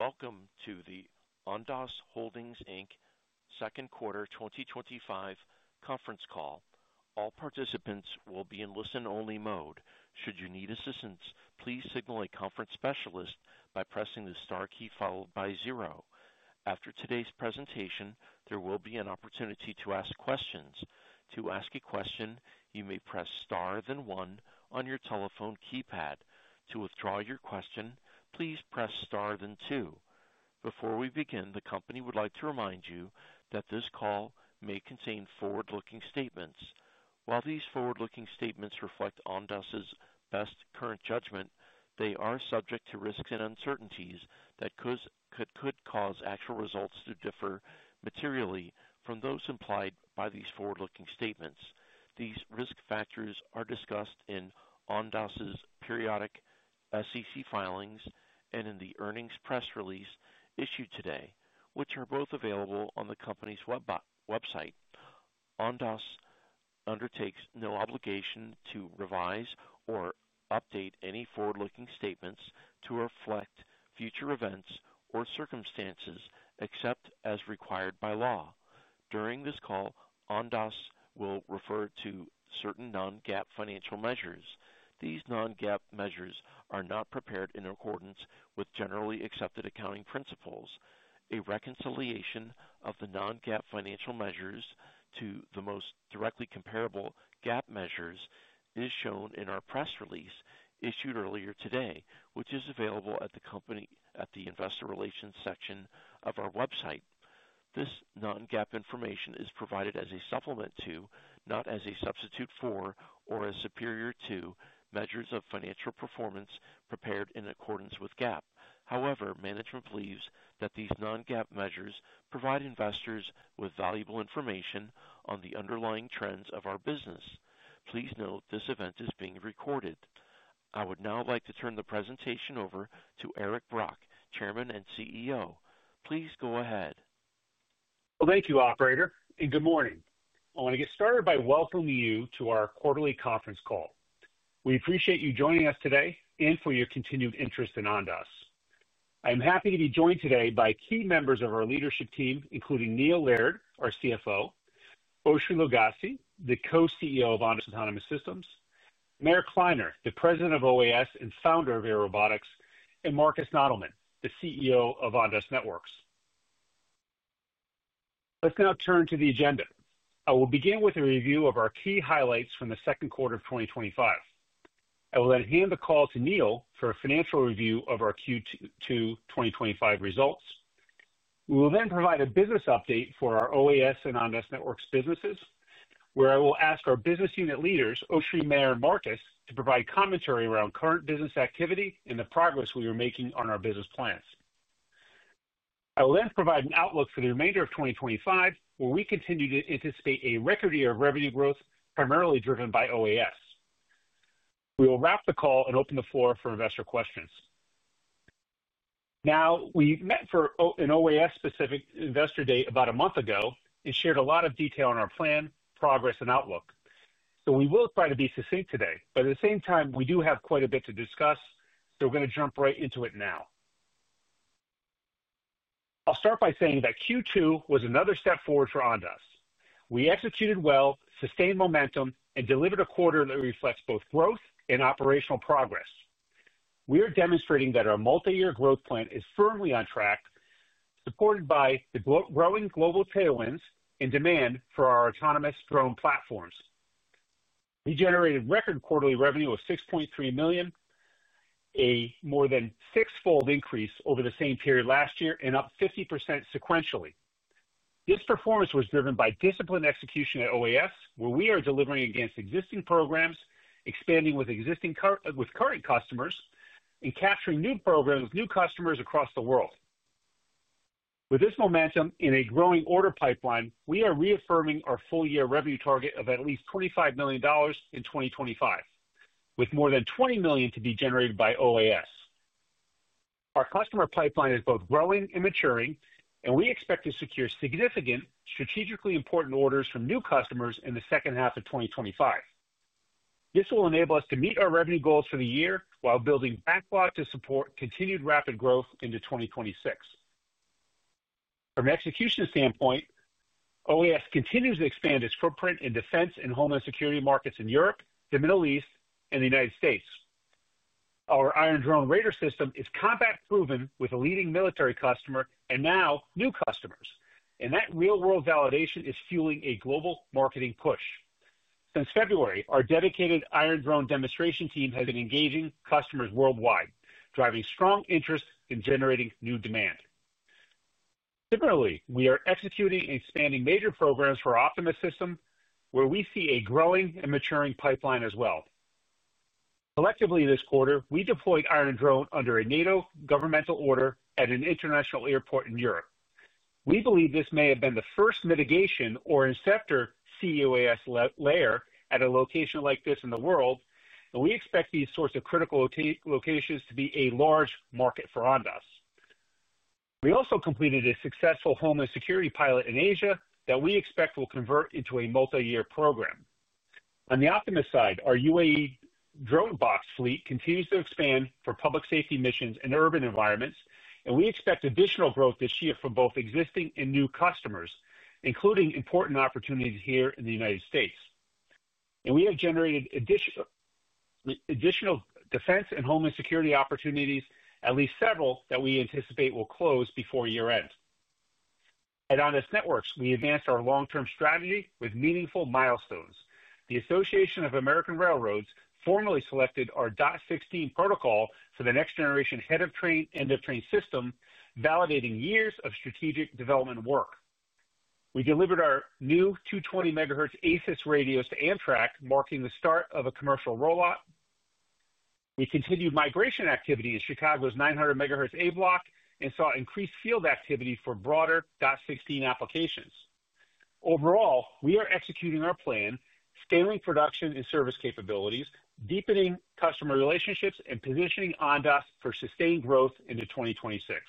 Welcome to the Ondas Holdings Inc. Second Quarter 2025 Conference Call. All participants will be in listen-only mode. Should you need assistance, please signal a conference specialist by pressing the star key followed by zero. After today's presentation, there will be an opportunity to ask questions. To ask a question, you may press star then one on your telephone keypad. To withdraw your question, please press star then two. Before we begin, the company would like to remind you that this call may contain forward-looking statements. While these forward-looking statements reflect Ondas' best current judgment, they are subject to risks and uncertainties that could cause actual results to differ materially from those implied by these forward-looking statements. These risk factors are discussed in Ondas' periodic SEC filings and in the earnings press release issued today, which are both available on the company's website. Ondas undertakes no obligation to revise or update any forward-looking statements to reflect future events or circumstances except as required by law. During this call, Ondas will refer to certain non-GAAP financial measures. These non-GAAP measures are not prepared in accordance with generally accepted accounting principles. A reconciliation of the non-GAAP financial measures to the most directly comparable GAAP measures is shown in our press release issued earlier today, which is available at the company at the investor relations section of our website. This non-GAAP information is provided as a supplement to, not as a substitute for, or as superior to measures of financial performance prepared in accordance with GAAP. However, management believes that these non-GAAP measures provide investors with valuable information on the underlying trends of our business. Please note this event is being recorded. I would now like to turn the presentation over to Eric Brock, Chairman and CEO. Please go ahead. Thank you, operator, and good morning. I want to get started by welcoming you to our quarterly conference call. We appreciate you joining us today and for your continued interest in Ondas. I am happy to be joined today by key members of our leadership team, including Neil Laird, our CFO, Oshri Lugassy, the Co-CEO of Ondas Autonomous Systems, Meir Kleiner, the President of OAS and founder of Airobotics LTD, and Markus Nottelmann, the CEO of Ondas Networks Inc. Let's now turn to the agenda. I will begin with a review of our key highlights from the second quarter of 2025. I will then hand the call to Neil for a financial review of our Q2 2025 results. We will then provide a business update for our OAS and Ondas Networks businesses, where I will ask our business unit leaders, Oshri, Meir, and Markus, to provide commentary around current business activity and the progress we are making on our business plans. I will then provide an outlook for the remainder of 2025, where we continue to anticipate a record year of revenue growth, primarily driven by OAS. We will wrap the call and open the floor for investor questions. We met for an OAS-specific investor day about a month ago and shared a lot of detail on our plan, progress, and outlook. We will try to be succinct today, but at the same time, we do have quite a bit to discuss, so we're going to jump right into it now. I'll start by saying that Q2 was another step forward for Ondas. We executed well, sustained momentum, and delivered a quarter that reflects both growth and operational progress. We are demonstrating that our multi-year growth plan is firmly on track, supported by the growing global tailwinds in demand for our autonomous drone platforms. We generated record quarterly revenue of $6.3 million, a more than six-fold increase over the same period last year, and up 50% sequentially. This performance was driven by disciplined execution at OAS, where we are delivering against existing programs, expanding with current customers, and capturing new programs, new customers across the world. With this momentum in a growing order pipeline, we are reaffirming our full-year revenue target of at least $25 million in 2025, with more than $20 million to be generated by OAS. Our customer pipeline is both growing and maturing, and we expect to secure significant, strategically important orders from new customers in the second half of 2025. This will enable us to meet our revenue goals for the year while building backlog to support continued rapid growth into 2026. From an execution standpoint, OAS continues to expand its footprint in defense and homeland security markets in Europe, the Middle East, and the United States. Our Iron Drone radar system is combat-proven with a leading military customer and now new customers, and that real-world validation is fueling a global marketing push. Since February, our dedicated Iron Drone demonstration team has been engaging customers worldwide, driving strong interest in generating new demand. Similarly, we are executing and expanding major programs for our Optimus System, where we see a growing and maturing pipeline as well. Collectively, this quarter, we deployed Iron Drone under a NATO governmental order at an international airport in Europe. We believe this may have been the first mitigation or inceptor CUAS layer at a location like this in the world, and we expect these sorts of critical locations to be a large market for Ondas. We also completed a successful homeland security pilot in Asia that we expect will convert into a multi-year program. On the Optimus side, our UAE drone box fleet continues to expand for public safety missions in urban environments, and we expect additional growth this year for both existing and new customers, including important opportunities here in the United States. We have generated additional defense and homeland security opportunities, at least several, that we anticipate will close before year-end. At Ondas Networks, we advance our long-term strategy with meaningful milestones. The Association of American Railroads formally selected our DOT-16 protocol for the next-generation head-of-train and end-of-train system, validating years of strategic development work. We delivered our new 220 MHz ACES radios to Amtrak, marking the start of a commercial rollout. We continued migration activity in Chicago's 900 MHz A block and saw increased field activity for broader DOT-16 applications. Overall, we are executing our plan, scaling production and service capabilities, deepening customer relationships, and positioning Ondas for sustained growth into 2026.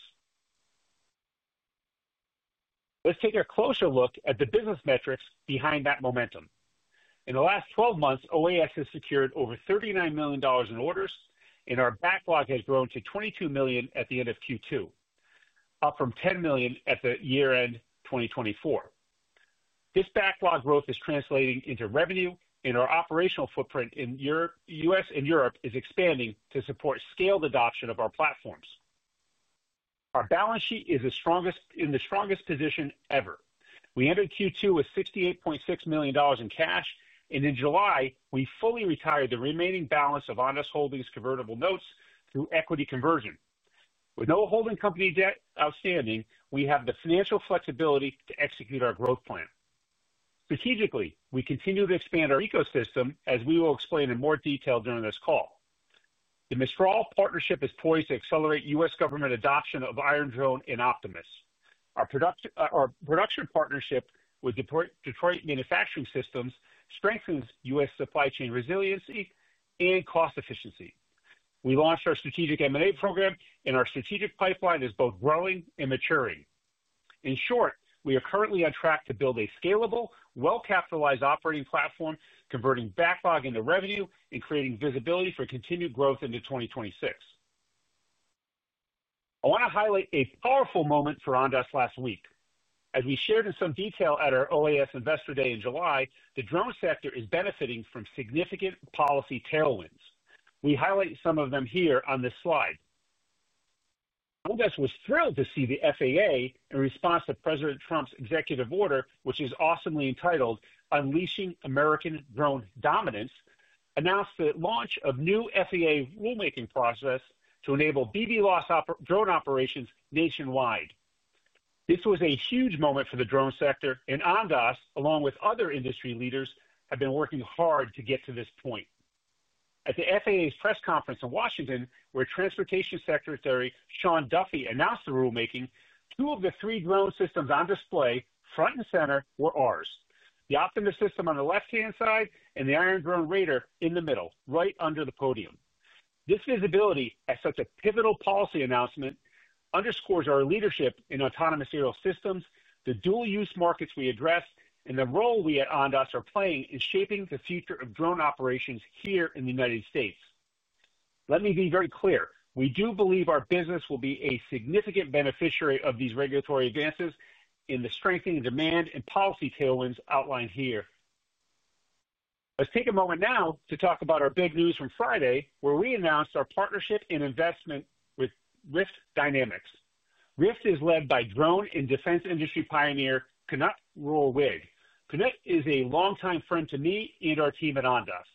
Let's take a closer look at the business metrics behind that momentum. In the last 12 months, OAS has secured over $39 million in orders, and our backlog has grown to $22 million at the end of Q2, up from $10 million at the year-end 2024. This backlog growth is translating into revenue, and our operational footprint in the U.S. and Europe is expanding to support scaled adoption of our platforms. Our balance sheet is in the strongest position ever. We ended Q2 with $68.6 million in cash, and in July, we fully retired the remaining balance of Ondas Holdings' convertible notes through equity conversion. With no holding company debt outstanding, we have the financial flexibility to execute our growth plan. Strategically, we continue to expand our ecosystem, as we will explain in more detail during this call. The Mistral partnership is poised to accelerate U.S. government adoption of Iron Drone and Optimus. Our production partnership with Detroit Manufacturing Systems strengthens U.S. supply chain resiliency and cost efficiency. We launched our strategic M&A program, and our strategic pipeline is both growing and maturing. In short, we are currently on track to build a scalable, well-capitalized operating platform, converting backlog into revenue and creating visibility for continued growth into 2026. I want to highlight a powerful moment for Ondas last week. As we shared in some detail at our OAS Investor Day in July, the drone sector is benefiting from significant policy tailwinds. We highlight some of them here on this slide. Ondas was thrilled to see the FAA, in response to President Trump's executive order, which is awesomely entitled "Unleashing American Drone Dominance," announce the launch of a new FAA rulemaking process to enable BVLOS drone operations nationwide. This was a huge moment for the drone sector, and Ondas, along with other industry leaders, have been working hard to get to this point. At the FAA's press conference in Washington, where Transportation Secretary Sean Duffy announced the rulemaking, two of the three drone systems on display, front and center, were ours. The Optimus System on the left-hand side and the Iron Drone radar system in the middle, right under the podium. This visibility, as such a pivotal policy announcement, underscores our leadership in autonomous aerial systems, the dual-use markets we address, and the role we at Ondas are playing in shaping the future of drone operations here in the United States. Let me be very clear. We do believe our business will be a significant beneficiary of these regulatory advances in the strengthening demand and policy tailwinds outlined here. Let's take a moment now to talk about our big news from Friday, where we announced our partnership and investment with RIFT Dynamics. RIFT is led by drone and defense industry pioneer Cnut Ruhlwig. Cnut is a longtime friend to me and our team at Ondas.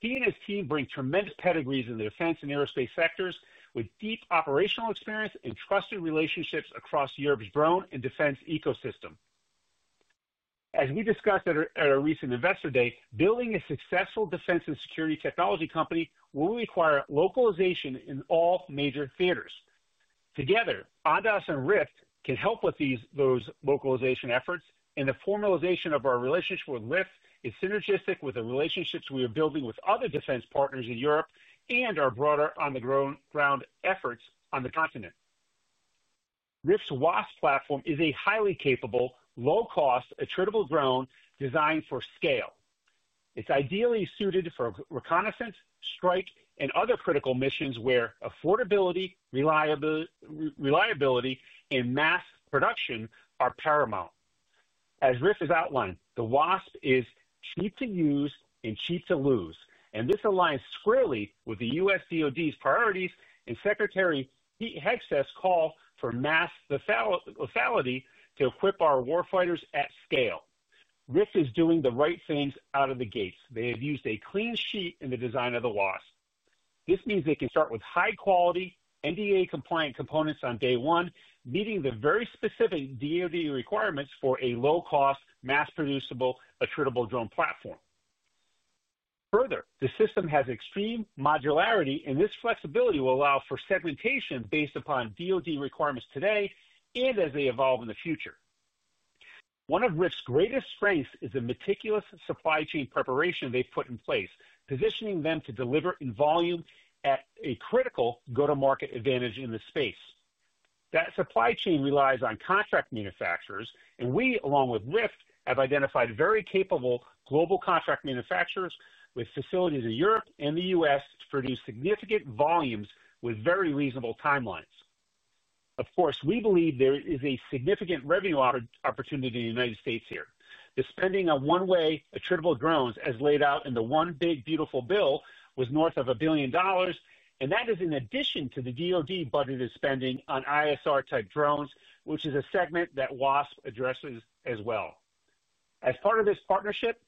He and his team bring tremendous pedigrees in the defense and aerospace sectors, with deep operational experience and trusted relationships across Europe's drone and defense ecosystem. As we discussed at our recent investor day, building a successful defense and security technology company will require localization in all major theaters. Together, Ondas and RIFT can help with those localization efforts, and the formalization of our relationship with RIFT is synergistic with the relationships we are building with other defense partners in Europe and our broader on-the-ground efforts on the continent. RIFT's WASP platform is a highly capable, low-cost, attritable drone designed for scale. It's ideally suited for reconnaissance, strike, and other critical missions where affordability, reliability, and mass production are paramount. As RIFT has outlined, the WASP is cheap to use and cheap to lose, and this aligns squarely with the U.S. DOD's priorities and Secretary Pete Hegseth's call for mass lethality to equip our warfighters at scale. RIFT is doing the right things out of the gates. They have used a clean sheet in the design of the WASP. This means they can start with high-quality, NDA-compliant components on day one, meeting the very specific DOD requirements for a low-cost, mass-producible, attritable drone platform. Further, the system has extreme modularity, and this flexibility will allow for segmentation based upon DOD requirements today and as they evolve in the future. One of RIFT's greatest strengths is the meticulous supply chain preparation they've put in place, positioning them to deliver in volume at a critical go-to-market advantage in the space. That supply chain relies on contract manufacturers, and we, along with RIFT, have identified very capable global contract manufacturers with facilities in Europe and the U.S. to produce significant volumes with very reasonable timelines. Of course, we believe there is a significant revenue opportunity in the United States here. The spending on one-way attritable drones, as laid out in the one big beautiful bill, was north of $1 billion, and that is in addition to the DOD budgeted spending on ISR-type drones, which is a segment that WASP addresses as well. As part of this partnership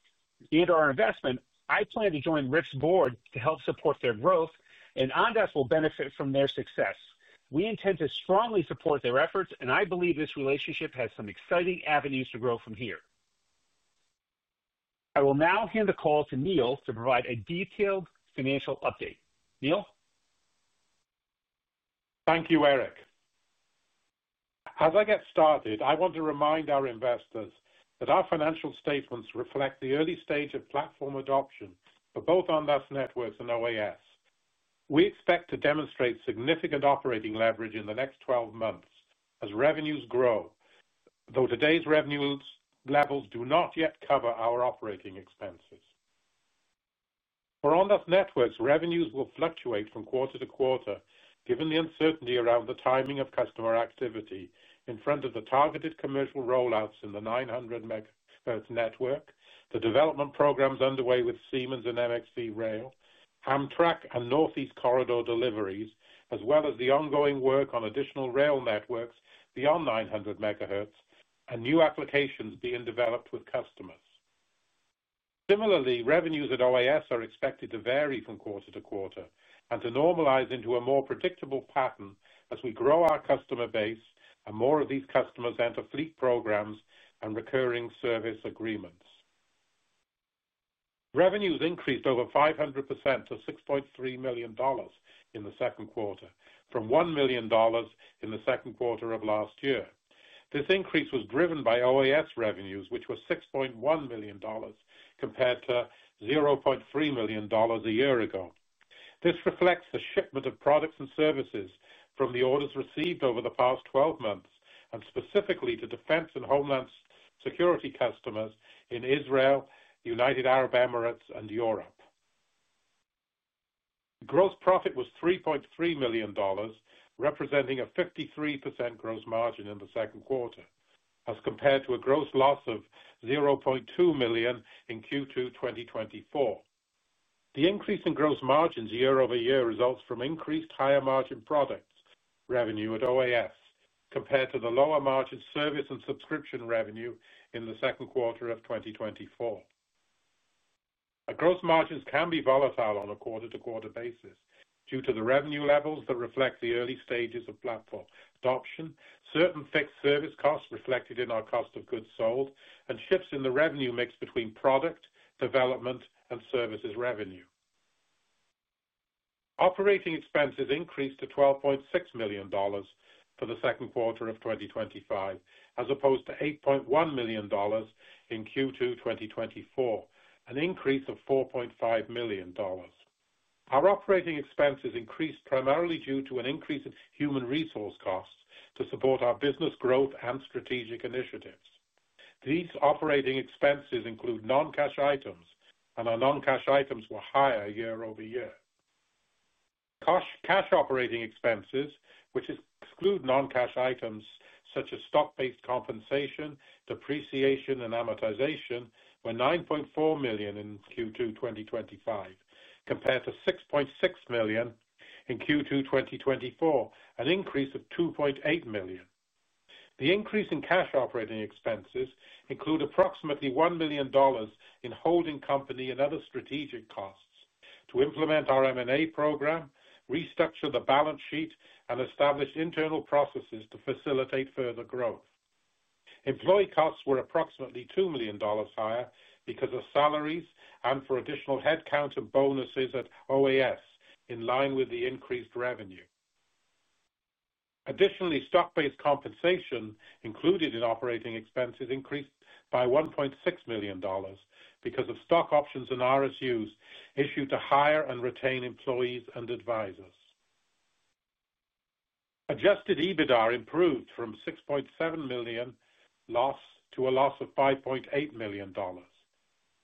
and our investment, I plan to join RIFT's board to help support their growth, and Ondas will benefit from their success. We intend to strongly support their efforts, and I believe this relationship has some exciting avenues to grow from here. I will now hand the call to Neil to provide a detailed financial update. Neil? Thank you, Eric. As I get started, I want to remind our investors that our financial statements reflect the early stage of platform adoption for both Ondas Networks and Ondas Autonomous Systems (OAS). We expect to demonstrate significant operating leverage in the next 12 months as revenues grow, though today's revenue levels do not yet cover our operating expenses. For Ondas Networks revenues will fluctuate from quarter to quarter, given the uncertainty around the timing of customer activity in front of the targeted commercial rollouts in the 900 MHz network, the development programs underway with Siemens and MXC Rail, Amtrak, and Northeast Corridor deliveries, as well as the ongoing work on additional rail networks beyond 900 MHz and new applications being developed with customers. Similarly, revenues at OAS are expected to vary from quarter-to-quarter and to normalize into a more predictable pattern as we grow our customer base and more of these customers enter fleet programs and recurring service agreements. Revenues increased over 500% to $6.3 million in the second quarter, from $1 million in the second quarter of last year. This increase was driven by OAS revenues, which were $6.1 million compared to $0.3 million a year ago. This reflects the shipment of products and services from the orders received over the past 12 months, and specifically to defense and homeland security customers in Israel, the United Arab Emirates, and Europe. Gross profit was $3.3 million, representing a 53% gross margin in the second quarter, as compared to a gross loss of $0.2 million in Q2 2024. The increase in gross margins year-over-year results from increased higher margin products revenue at OAS compared to the lower margin service and subscription revenue in the second quarter of 2024. Our gross margins can be volatile on a quarter-to-quarter basis due to the revenue levels that reflect the early stages of platform adoption, certain fixed service costs reflected in our cost of goods sold, and shifts in the revenue mix between product, development, and services revenue. Operating expenses increased to $12.6 million for the second quarter of 2025, as opposed to $8.1 million in Q2 2024, an increase of $4.5 million. Our operating expenses increased primarily due to an increase in human resource costs to support our business growth and strategic initiatives. These operating expenses include non-cash items, and our non-cash items were higher year over year. Cash operating expenses, which exclude non-cash items such as stock-based compensation, depreciation, and amortization, were $9.4 million in Q2 2025, compared to $6.6 million in Q2 2024, an increase of $2.8 million. The increase in cash operating expenses includes approximately $1 million in holding company and other strategic costs to implement our M&A program, restructure the balance sheet, and establish internal processes to facilitate further growth. Employee costs were approximately $2 million higher because of salaries and for additional headcount and bonuses at OAS in line with the increased revenue. Additionally, stock-based compensation included in operating expenses increased by $1.6 million because of stock options and RSUs issued to hire and retain employees and advisors. Adjusted EBITDA improved from $6.7 million to a loss of $5.8 million.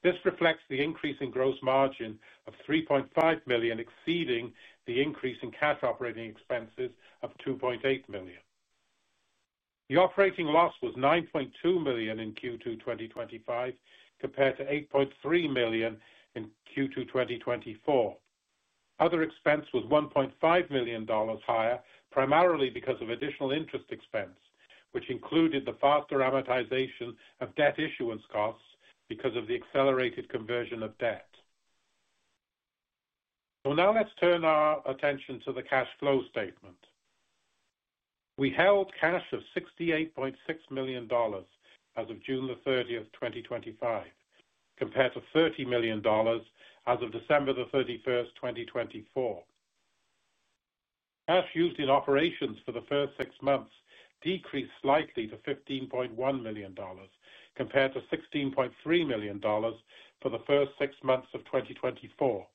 This reflects the increase in gross margin of $3.5 million, exceeding the increase in cash operating expenses of $2.8 million. The operating loss was $9.2 million in Q2 2025, compared to $8.3 million in Q2 2024. Other expense was $1.5 million higher, primarily because of additional interest expense, which included the faster amortization of debt issuance costs because of the accelerated conversion of debt. Now let's turn our attention to the cash flow statement. We held cash of $68.6 million as of June 30th, 2025, compared to $30 million as of December 31st, 2024. Cash used in operations for the first six months decreased slightly to $15.1 million, compared to $16.3 million for the first six months of 2024,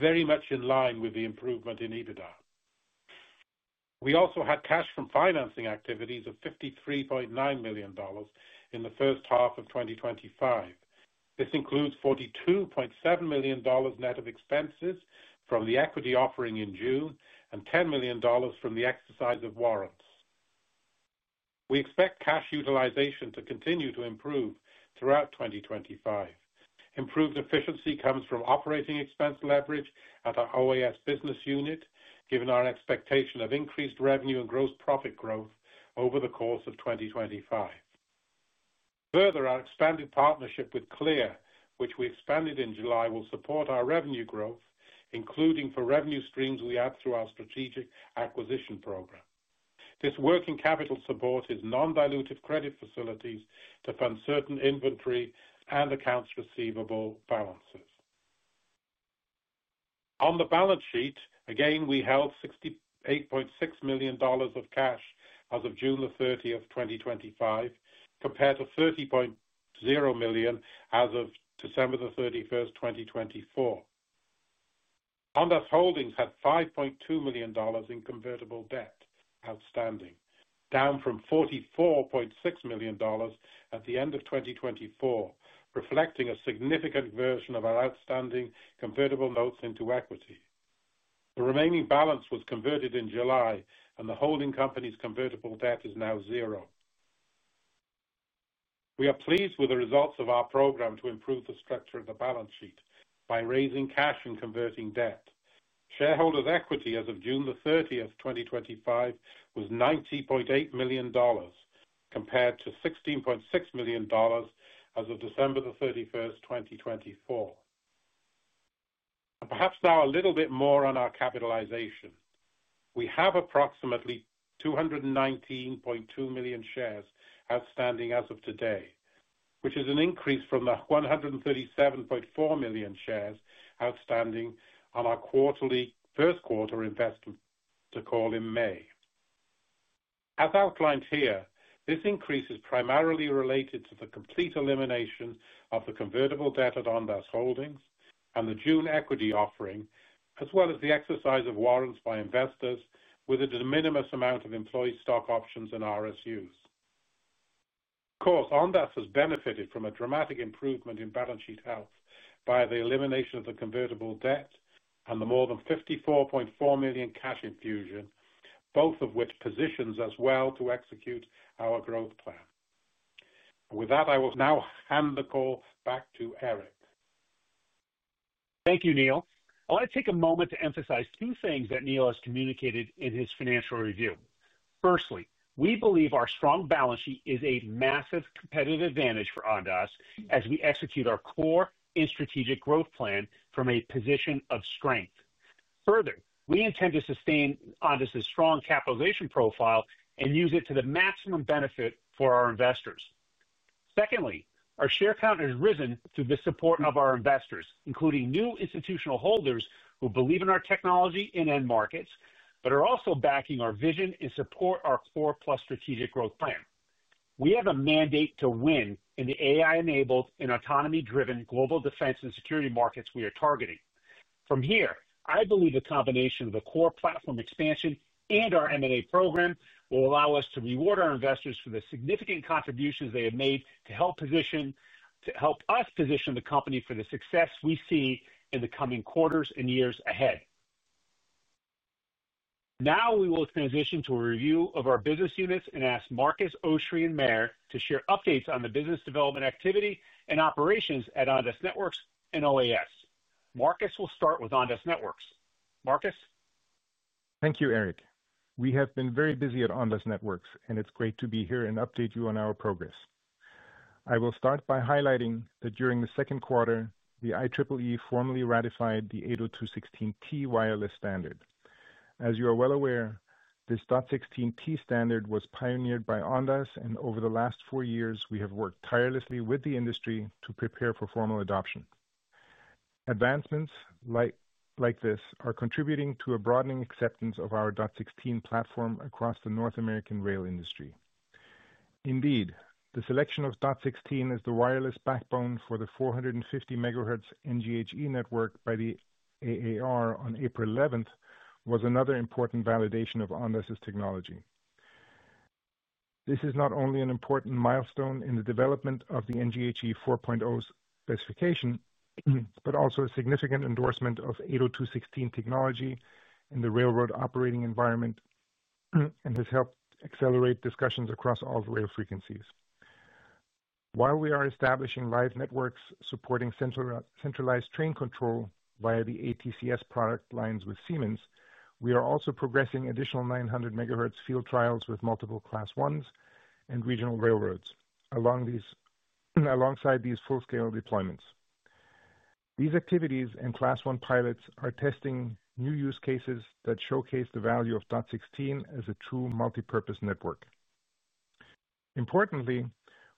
very much in line with the improvement in EBITDA. We also had cash from financing activities of $53.9 million in the first half of 2025. This includes $42.7 million net of expenses from the equity offering in June and $10 million from the exercise of warrants. We expect cash utilization to continue to improve throughout 2025. Improved efficiency comes from operating expense leverage at our OAS business unit, given our expectation of increased revenue and gross profit growth over the course of 2025. Further, our expanded partnership with Clear, which we expanded in July, will support our revenue growth, including for revenue streams we add through our strategic acquisition program. This working capital support is non-dilutive credit facilities to fund certain inventory and accounts receivable balances. On the balance sheet, again, we held $68.6 million of cash as of June 30th, 2025, compared to $30.0 million as of December 31st, 2024. Ondas Holdings Inc. had $5.2 million in convertible debt outstanding, down from $44.6 million at the end of 2024, reflecting a significant conversion of our outstanding convertible notes into equity. The remaining balance was converted in July, and the holding company's convertible debt is now zero. We are pleased with the results of our program to improve the structure of the balance sheet by raising cash and converting debt. Shareholders' equity as of June 30th, 2025, was $90.8 million, compared to $16.6 million as of December 31st, 2024. Perhaps now a little bit more on our capitalization. We have approximately 219.2 million shares outstanding as of today, which is an increase from the 137.4 million shares outstanding on our quarterly first quarter investment call in May. As outlined here, this increase is primarily related to the complete elimination of the convertible debt at Ondas Holdings Inc. and the June equity offering, as well as the exercise of warrants by investors with a de minimis amount of employee stock options and RSUs. Of course, Ondas has benefited from a dramatic improvement in balance sheet health by the elimination of the convertible debt and the more than $54.4 million cash infusion, both of which position us well to execute our growth plan. With that, I will now hand the call back to Eric. Thank you, Neil. I want to take a moment to emphasize two things that Neil has communicated in his financial review. Firstly, we believe our strong balance sheet is a massive competitive advantage for Ondas as we execute our core and strategic growth plan from a position of strength. Further, we intend to sustain Ondas' strong capitalization profile and use it to the maximum benefit for our investors. Secondly, our share count has risen through the support of our investors, including new institutional holders who believe in our technology in end markets, but are also backing our vision and support our core plus strategic growth plan. We have a mandate to win in the AI-enabled and autonomy-driven global defense and security markets we are targeting. From here, I believe a combination of the core platform expansion and our M&A program will allow us to reward our investors for the significant contributions they have made to help us position the company for the success we see in the coming quarters and years ahead. Now we will transition to a review of our business units and ask Markus, Oshri, and Meir to share updates on the business development activity and operations at Ondas Networks and OAS. Markus will start with Ondas Networks. Markus. Thank you, Eric. We have been very busy at Ondas Networks, and it's great to be here and update you on our progress. I will start by highlighting that during the second quarter, the IEEE formally ratified the 802.16t wireless standard. As you are well aware, this DOT-16 standard was pioneered by Ondas, and over the last four years, we have worked tirelessly with the industry to prepare for formal adoption. Advancements like this are contributing to a broadening acceptance of our DOT-16 platform across the North American rail industry. Indeed, the selection of DOT-16 as the wireless backbone for the 450 MHz NGHE network by the Association of American Railroads on April 11 was another important validation of Ondas' technology. This is not only an important milestone in the development of the NGHE 4.0 specification, but also a significant endorsement of 802.16 technology in the railroad operating environment and has helped accelerate discussions across all the rail frequencies. While we are establishing live networks supporting centralized train control via the ATCS product lines with Siemens, we are also progressing additional 900 MHz field trials with multiple Class 1s and regional railroads alongside these full-scale deployments. These activities and Class I pilots are testing new use cases that showcase the value of DOT-16 as a true multipurpose network. Importantly,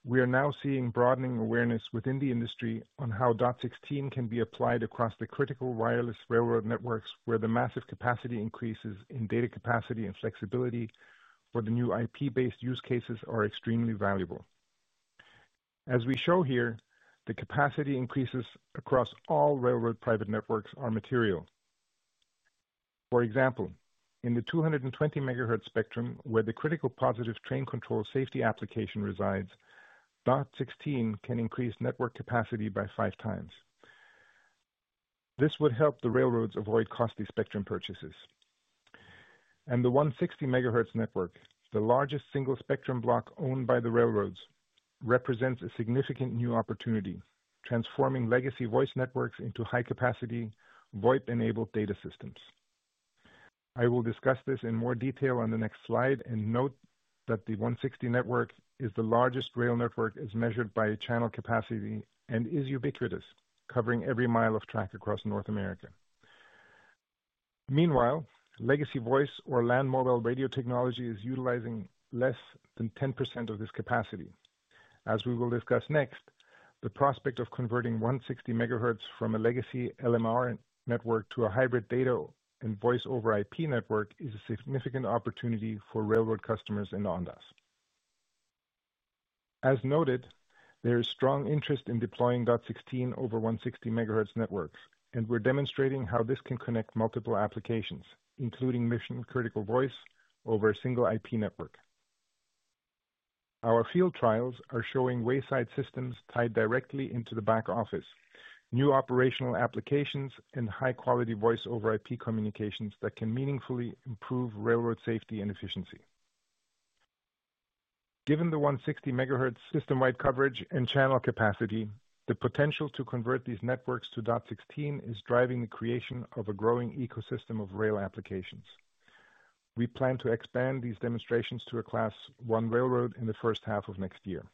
we are now seeing broadening awareness within the industry on how DOT-16 can be applied across the critical wireless railroad networks where the massive capacity increases in data capacity and flexibility for the new IP-based use cases are extremely valuable. As we show here, the capacity increases across all railroad private networks are material. For example, in the 220 MHz spectrum where the critical positive train control safety application resides, DOT-16 can increase network capacity by five times. This would help the railroads avoid costly spectrum purchases. In the 160 MHz network, the largest single spectrum block owned by the railroads, represents a significant new opportunity, transforming legacy voice networks into high-capacity VoIP-enabled data systems. I will discuss this in more detail on the next slide and note that the 160 network is the largest rail network as measured by channel capacity and is ubiquitous, covering every mile of track across North America. Meanwhile, legacy voice or land mobile radio technology is utilizing less than 10% of this capacity. As we will discuss next, the prospect of converting 160 MHz from a legacy LMR network to a hybrid data and voice over IP network is a significant opportunity for railroad customers and Ondas. As noted, there is strong interest in deploying DOT-16 over 160 MHz networks, and we're demonstrating how this can connect multiple applications, including mission-critical voice over a single IP network. Our field trials are showing wayside systems tied directly into the back office, new operational applications, and high-quality voice over IP communications that can meaningfully improve railroad safety and efficiency. Given the 160 MHz system-wide coverage and channel capacity, the potential to convert these networks to DOT-16 is driving the creation of a growing ecosystem of rail applications. We plan to expand these demonstrations to a Class 1 railroad in the first half of next year.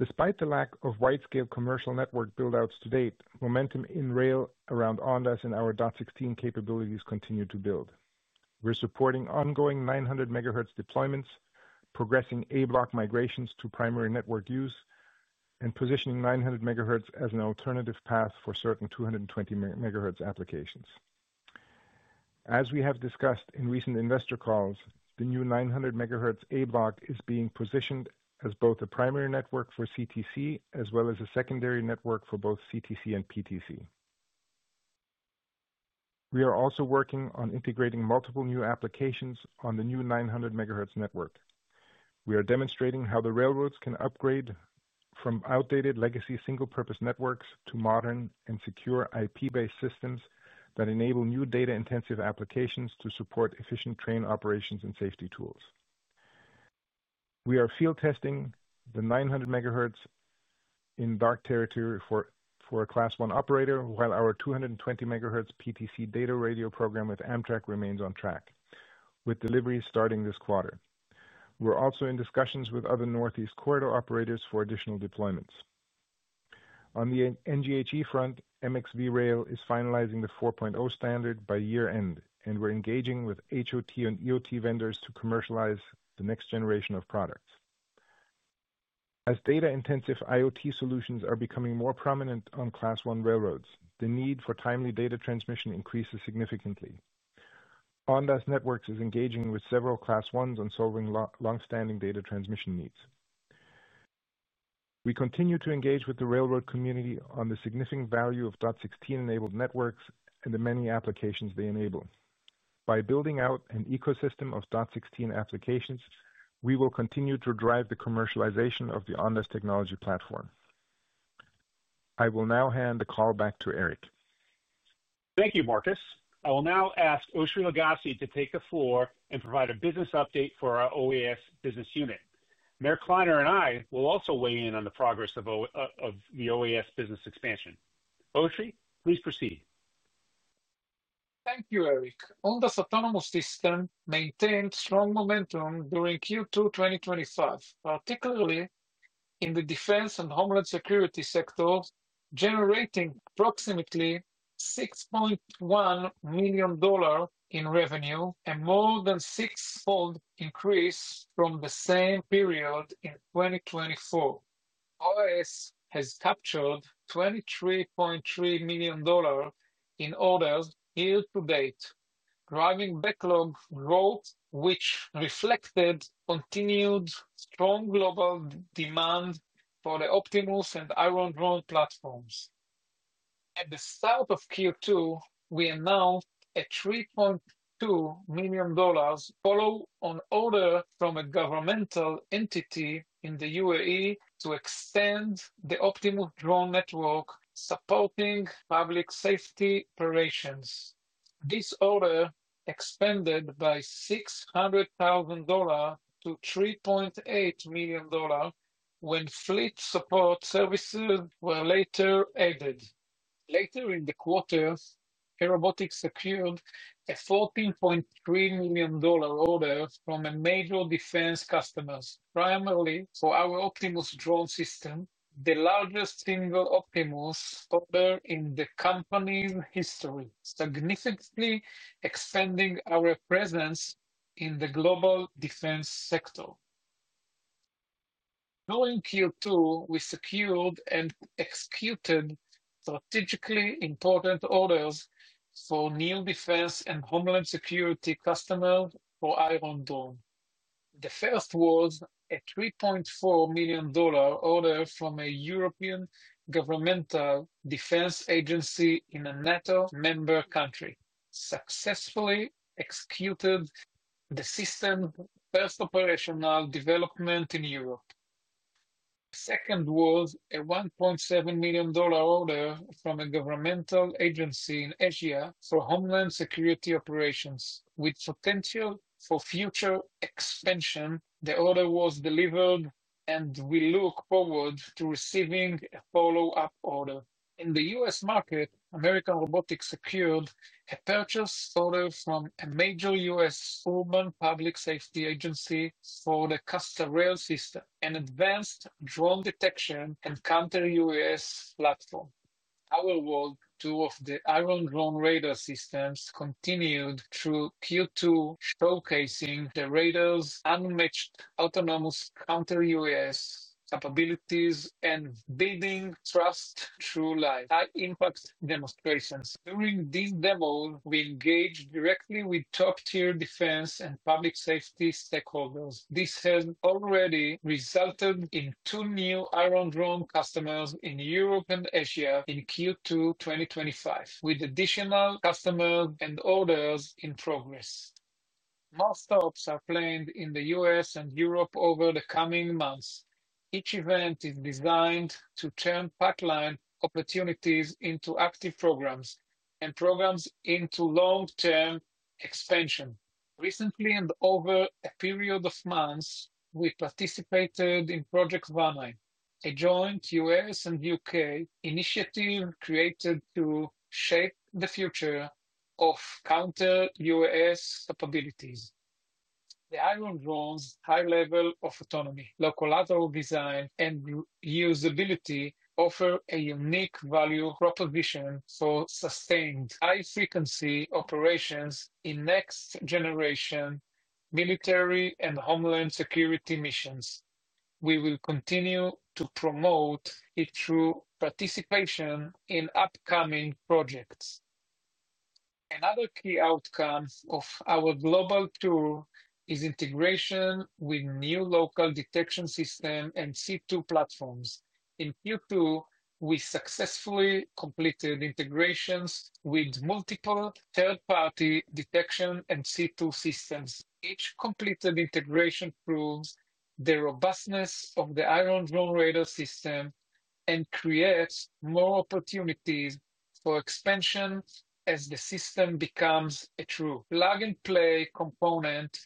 Despite the lack of wide-scale commercial network buildouts to date, momentum in rail around Ondas and our DOT-16 capabilities continues to build. We're supporting ongoing 900 MHz deployments, progressing A block migrations to primary network use, and positioning 900 MHz as an alternative path for certain 220 MHz applications. As we have discussed in recent investor calls, the new 900 MHz A block is being positioned as both a primary network for CTC as well as a secondary network for both CTC and PTC. We are also working on integrating multiple new applications on the new 900 MHz network. We are demonstrating how the railroads can upgrade from outdated legacy single-purpose networks to modern and secure IP-based systems that enable new data-intensive applications to support efficient train operations and safety tools. We are field testing the 900 MHz in dark territory for a Class 1 operator, while our 220 MHz PTC data radio program with Amtrak remains on track, with deliveries starting this quarter. We're also in discussions with other Northeast Corridor operators for additional deployments. On the NGHE front, MXV Rail is finalizing the 4.0 standard by year-end, and we're engaging with HOT and EOT vendors to commercialize the next generation of products. As data-intensive IoT solutions are becoming more prominent on Class 1 railroads, the need for timely data transmission increases significantly. Ondas Networks is engaging with several Class 1s on solving long-standing data transmission needs. We continue to engage with the railroad community on the significant value of DOT-16 enabled networks and the many applications they enable. By building out an ecosystem of DOT-16 applications, we will continue to drive the commercialization of the Ondas technology platform. I will now hand the call back to Eric. Thank you, Markus. I will now ask Oshri Lugassy to take the floor and provide a business update for our OAS business unit. Meir Kleiner and I will also weigh in on the progress of the OAS business expansion. Oshri, please proceed. Thank you, Eric. Ondas Autonomous Systems maintained strong momentum during Q2 2025, particularly in the defense and homeland security sector, generating approximately $6.1 million in revenue and more than a six-fold increase from the same period in 2024. OAS has captured $23.3 million in orders year to date, driving backlog growth, which reflected continued strong global demand for the Optimus and Iron Drone platforms. At the start of Q2, we announced a $3.2 million follow-up order from a governmental entity in the UAE to extend the Optimus System network, supporting public safety operations. This order expanded by $600,000-$3.8 million when fleet support services were later added. Later in the quarter, Airobotics LTD secured a $14.3 million order from major defense customers, primarily for our Optimus System, the largest single Optimus order in the company's history, significantly expanding our presence in the global defense sector. During Q2, we secured and executed strategically important orders for new defense and homeland security customers for Iron Drone. The first was a $3.4 million order from a European governmental defense agency in a NATO member country, successfully executing the system's first operational deployment in Europe. The second was a $1.7 million order from a governmental agency in Asia for homeland security operations, with potential for future expansion. The order was delivered, and we look forward to receiving a follow-up order. In the U.S. market, American Robotics secured a purchase order from a major U.S. urban public safety agency for the CASTA rail system, an advanced drone detection and counter-UAS platform. Our World Tour of the Iron Drone radar systems continued through Q2, showcasing the radar's unmatched autonomous counter-UAS capabilities and building trust through live impact demonstrations. During the demo, we engaged directly with top-tier defense and public safety stakeholders. This has already resulted in two new Iron Drone customers in Europe and Asia in Q2 2025, with additional customers and orders in progress. More stops are planned in the U.S. and Europe over the coming months. Each event is designed to turn pipeline opportunities into active programs and programs into long-term expansion. Recently, and over a period of months, we participated in Project VAMA, a joint U.S. and U.K. initiative created to shape the future of counter-UAS capabilities. The Iron Drone's high level of autonomy, localizable design, and usability offer a unique value proposition for sustained high-frequency operations in next-generation military and homeland security missions. We will continue to promote it through participation in upcoming projects. Another key outcome of our global tour is integration with new local detection systems and C2 platforms. In Q2, we successfully completed integrations with multiple third-party detection and C2 systems. Each completed integration proves the robustness of the Iron Drone Radar System and creates more opportunities for expansion as the system becomes a true plug-and-play component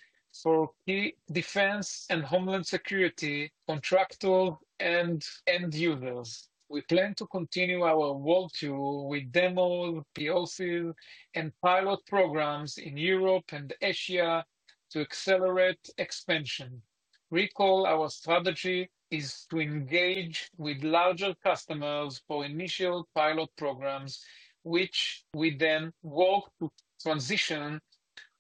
for key defense and homeland security contractors and end users. We plan to continue our World Tour with demos, POCs, and pilot programs in Europe and Asia to accelerate expansion. Recall our strategy is to engage with larger customers for initial pilot programs, which we then walk to transition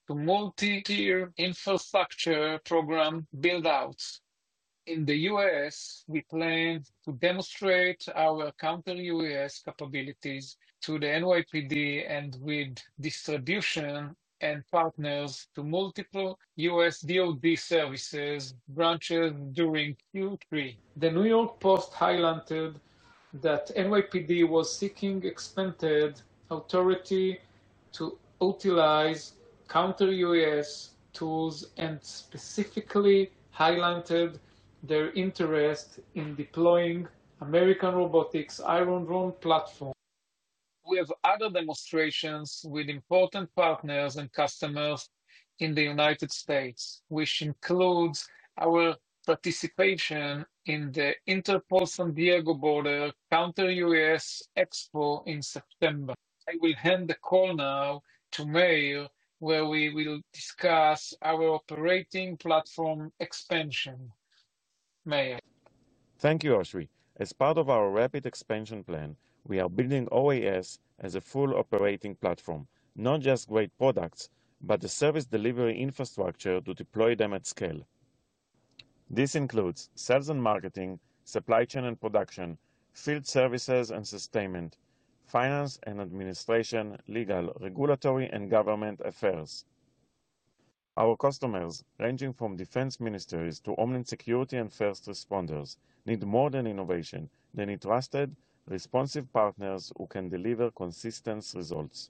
to multi-tier infrastructure program buildouts. In the U.S., we plan to demonstrate our counter-UAS capabilities to the NYPD and with distribution and partners to multiple U.S. DOD services branches during Q3. The New York Post highlighted that NYPD was seeking expanded authority to utilize counter-UAS tools and specifically highlighted their interest in deploying American Robotics Iron Drone platform. We have other demonstrations with important partners and customers in the United States, which includes our participation in the Interpol San Diego border counter-UAS expo in September. I will hand the call now to Meir, where we will discuss our operating platform expansion. Meir. Thank you, Oshri. As part of our rapid expansion plan, we are building OAS as a full operating platform, not just great products, but the service delivery infrastructure to deploy them at scale. This includes sales and marketing, supply chain and production, field services and sustainment, finance and administration, legal, regulatory, and government affairs. Our customers, ranging from defense ministries to homeland security and first responders, need more than innovation; they need trusted, responsive partners who can deliver consistent results.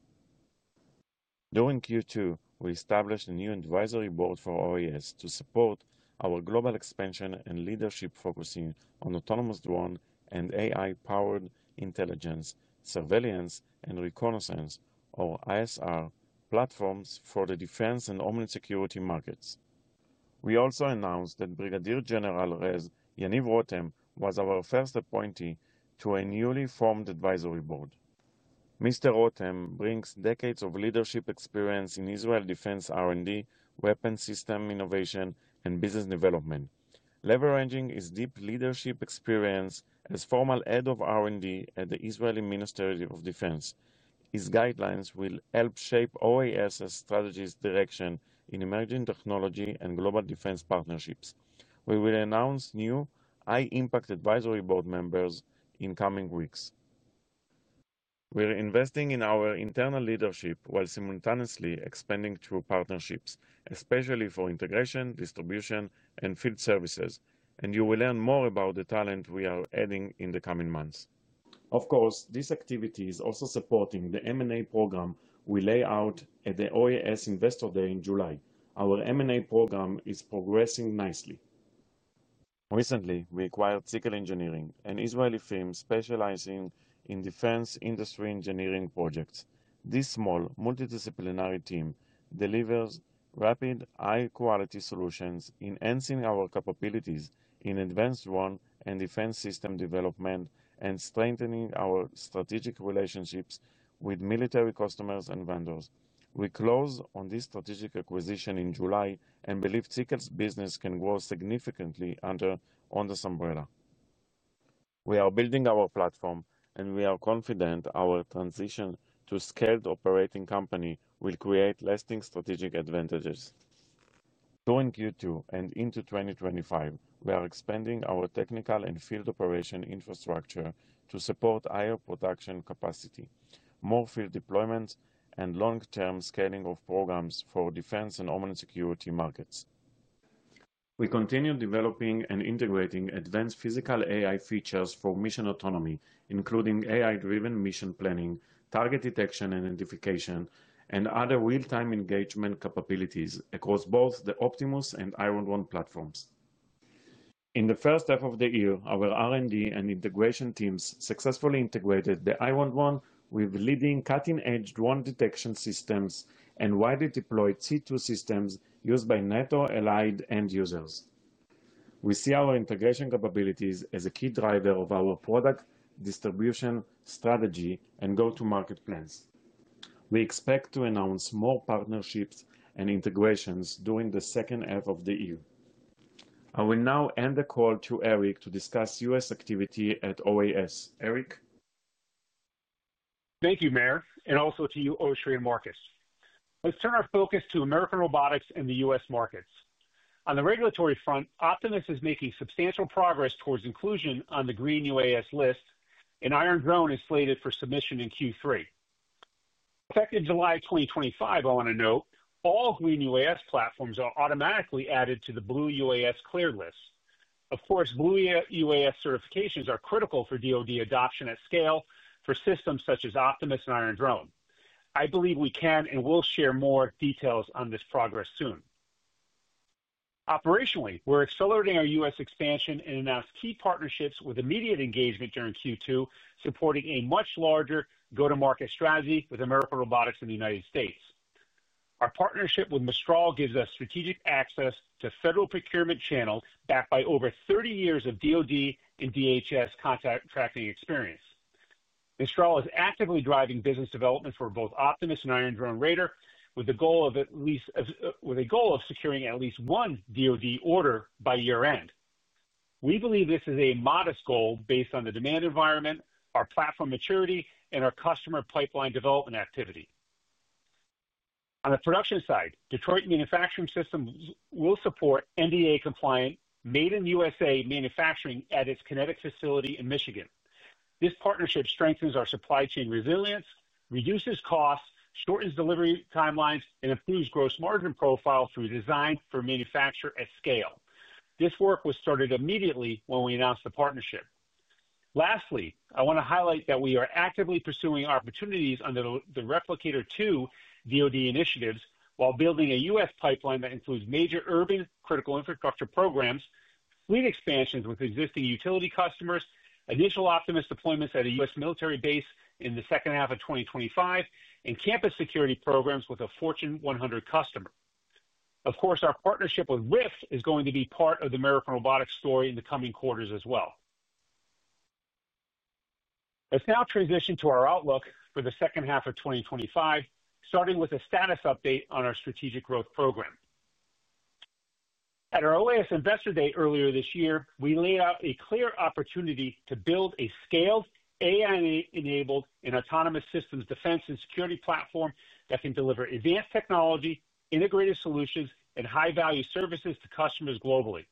During Q2, we established a new advisory board for OAS to support our global expansion and leadership, focusing on autonomous drone and AI-powered intelligence, surveillance, and reconnaissance, or ISR, platforms for the defense and homeland security markets. We also announced that Brigadier General (Res.) Yaniv Rotem was our first appointee to a newly formed advisory board. Mr. Rotem brings decades of leadership experience in Israel Defense R&D, weapon system innovation, and business development, leveraging his deep leadership experience as a former head of R&D at the Israeli Ministry of Defense. His guidelines will help shape OAS's strategies and direction in emerging technology and global defense partnerships. We will announce new high-impact advisory board members in coming weeks. We're investing in our internal leadership while simultaneously expanding through partnerships, especially for integration, distribution, and field services, and you will learn more about the talent we are adding in the coming months. Of course, this activity is also supporting the M&A program we laid out at the OAS Investor Day in July. Our M&A program is progressing nicely. Recently, we acquired Sickle Engineering, an Israeli firm specializing in defense industry engineering projects. This small, multidisciplinary team delivers rapid, high-quality solutions, enhancing our capabilities in advanced drone and defense system development and strengthening our strategic relationships with military customers and vendors. We closed on this strategic acquisition in July and believe Sickle's business can grow significantly under Ondas' umbrella. We are building our platform, and we are confident our transition to a scaled operating company will create lasting strategic advantages. During Q2 and into 2025, we are expanding our technical and field operation infrastructure to support higher production capacity, more field deployments, and long-term scaling of programs for defense and homeland security markets. We continue developing and integrating advanced physical AI features for mission autonomy, including AI-driven mission planning, target detection and identification, and other real-time engagement capabilities across both the Optimus System and Iron Drone radar system platforms. In the first half of the year, our R&D and integration teams successfully integrated the Iron Drone radar system with leading cutting-edge drone detection systems and widely deployed C2 systems used by NATO-allied end users. We see our integration capabilities as a key driver of our product distribution strategy and go-to-market plans. We expect to announce more partnerships and integrations during the second half of the year. I will now end the call to Eric to discuss U.S. activity at OAS. Eric? Thank you, Meir, and also to you, Oshri and Markus. Let's turn our focus to American Robotics and the U.S. markets. On the regulatory front, Optimus is making substantial progress towards inclusion on the Green UAS list, and Iron Drone is slated for submission in Q3. Effective July 2025, I want to note, all Green UAS platforms are automatically added to the Blue UAS clear list. Of course, Blue UAS certifications are critical for DOD adoption at scale for systems such as Optimus and Iron Drone. I believe we can and will share more details on this progress soon. Operationally, we're accelerating our U.S. expansion and announced key partnerships with immediate engagement during Q2, supporting a much larger go-to-market strategy with American Robotics in the United States. Our partnership with Mistral gives us strategic access to federal procurement channels backed by over 30 years of DOD and DHS contracting experience. Mistral is actively driving business development for both Optimus and Iron Drone radar, with a goal of securing at least one DOD order by year-end. We believe this is a modest goal based on the demand environment, our platform maturity, and our customer pipeline development activity. On the production side, Detroit Manufacturing Systems will support NDA-compliant made-in-U.S.A. manufacturing at its Kinetic facility in Michigan. This partnership strengthens our supply chain resilience, reduces costs, shortens delivery timelines, and improves gross margin profile through design for manufacture at scale. This work was started immediately when we announced the partnership. Lastly, I want to highlight that we are actively pursuing opportunities under the Replicator II DOD initiatives while building a U.S. pipeline that includes major urban critical infrastructure programs, fleet expansions with existing utility customers, initial Optimus deployments at a U.S. military base in the second half of 2025, and campus security programs with a Fortune 100 customer. Of course, our partnership with RIFT is going to be part of the American Robotics story in the coming quarters as well. Let's now transition to our outlook for the second half of 2025, starting with a status update on our strategic growth program. At our OAS Investor Day earlier this year, we laid out a clear opportunity to build a scaled, AI-enabled, and autonomous systems defense and security platform that can deliver advanced technology, integrated solutions, and high-value services to customers globally.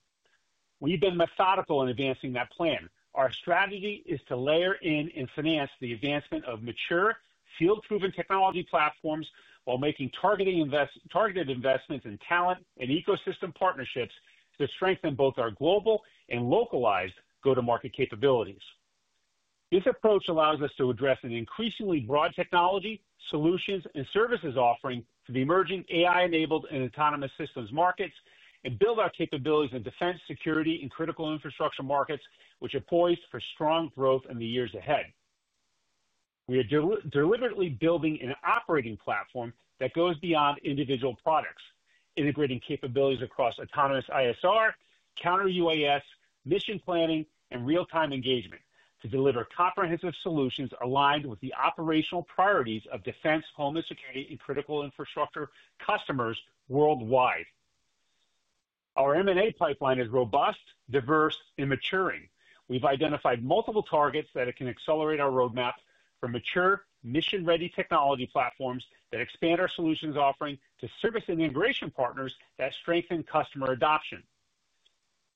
We've been methodical in advancing that plan. Our strategy is to layer in and finance the advancement of mature, field-proven technology platforms while making targeted investments in talent and ecosystem partnerships to strengthen both our global and localized go-to-market capabilities. This approach allows us to address an increasingly broad technology, solutions, and services offering for the emerging AI-enabled and autonomous systems markets and build our capabilities in defense, security, and critical infrastructure markets, which are poised for strong growth in the years ahead. We are deliberately building an operating platform that goes beyond individual products, integrating capabilities across autonomous ISR, counter-UAS, mission planning, and real-time engagement to deliver comprehensive solutions aligned with the operational priorities of defense, homeland security, and critical infrastructure customers worldwide. Our M&A pipeline is robust, diverse, and maturing. We've identified multiple targets that can accelerate our roadmap for mature, mission-ready technology platforms that expand our solutions offering to service and integration partners that strengthen customer adoption.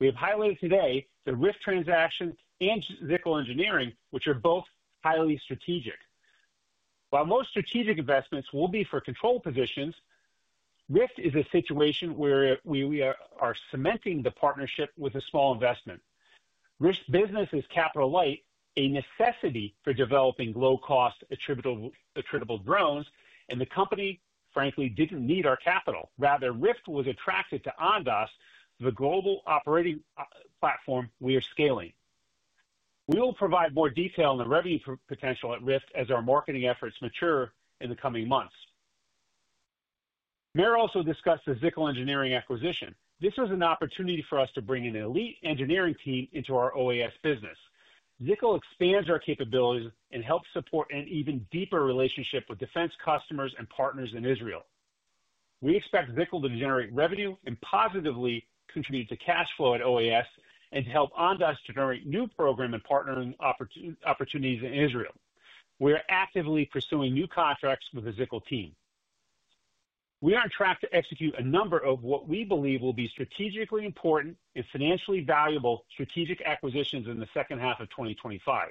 We have highlighted today the RIFT transaction and Sickle Engineering, which are both highly strategic. While most strategic investments will be for controlled positions, RIFT is a situation where we are cementing the partnership with a small investment. RIFT's business is capital light, a necessity for developing low-cost, attributable drones, and the company, frankly, didn't need our capital. Rather, RIFT was attracted to Ondas, the global operating platform we are scaling. We will provide more detail on the revenue potential at RIFT as our marketing efforts mature in the coming months. Meir also discussed the Sickle Engineering acquisition. This is an opportunity for us to bring an elite engineering team into our OAS business. Sickle expands our capabilities and helps support an even deeper relationship with defense customers and partners in Israel. We expect Sickle Engineering to generate revenue and positively contribute to cash flow at OAS and to help Ondas generate new program and partnering opportunities in Israel. We are actively pursuing new contracts with the Sickle team. We are on track to execute a number of what we believe will be strategically important and financially valuable strategic acquisitions in the second half of 2025.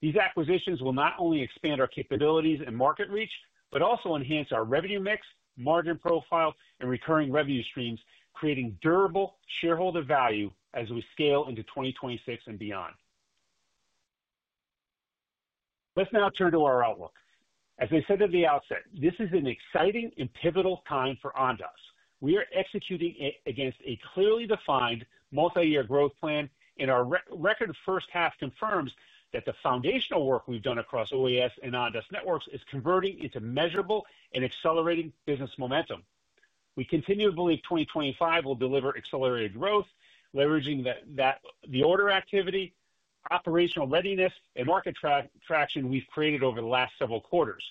These acquisitions will not only expand our capabilities and market reach, but also enhance our revenue mix, margin profile, and recurring revenue streams, creating durable shareholder value as we scale into 2026 and beyond. Let's now turn to our outlook. As I said at the outset, this is an exciting and pivotal time for Ondas. We are executing against a clearly defined multi-year growth plan, and our record first half confirms that the foundational work we've done across OAS and Ondas Networks Inc. is converting into measurable and accelerating business momentum. We continue to believe 2025 will deliver accelerated growth, leveraging the order activity, operational readiness, and market traction we've created over the last several quarters.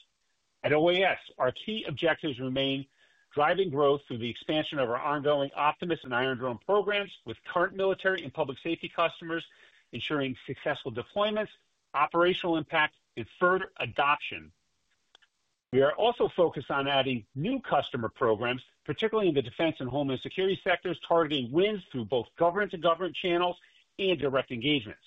At OAS, our key objectives remain driving growth through the expansion of our ongoing Optimus System and Iron Drone radar system programs with current military and public safety customers, ensuring successful deployments, operational impact, and further adoption. We are also focused on adding new customer programs, particularly in the defense and homeland security sectors, targeting wins through both government-to-government channels and direct engagements.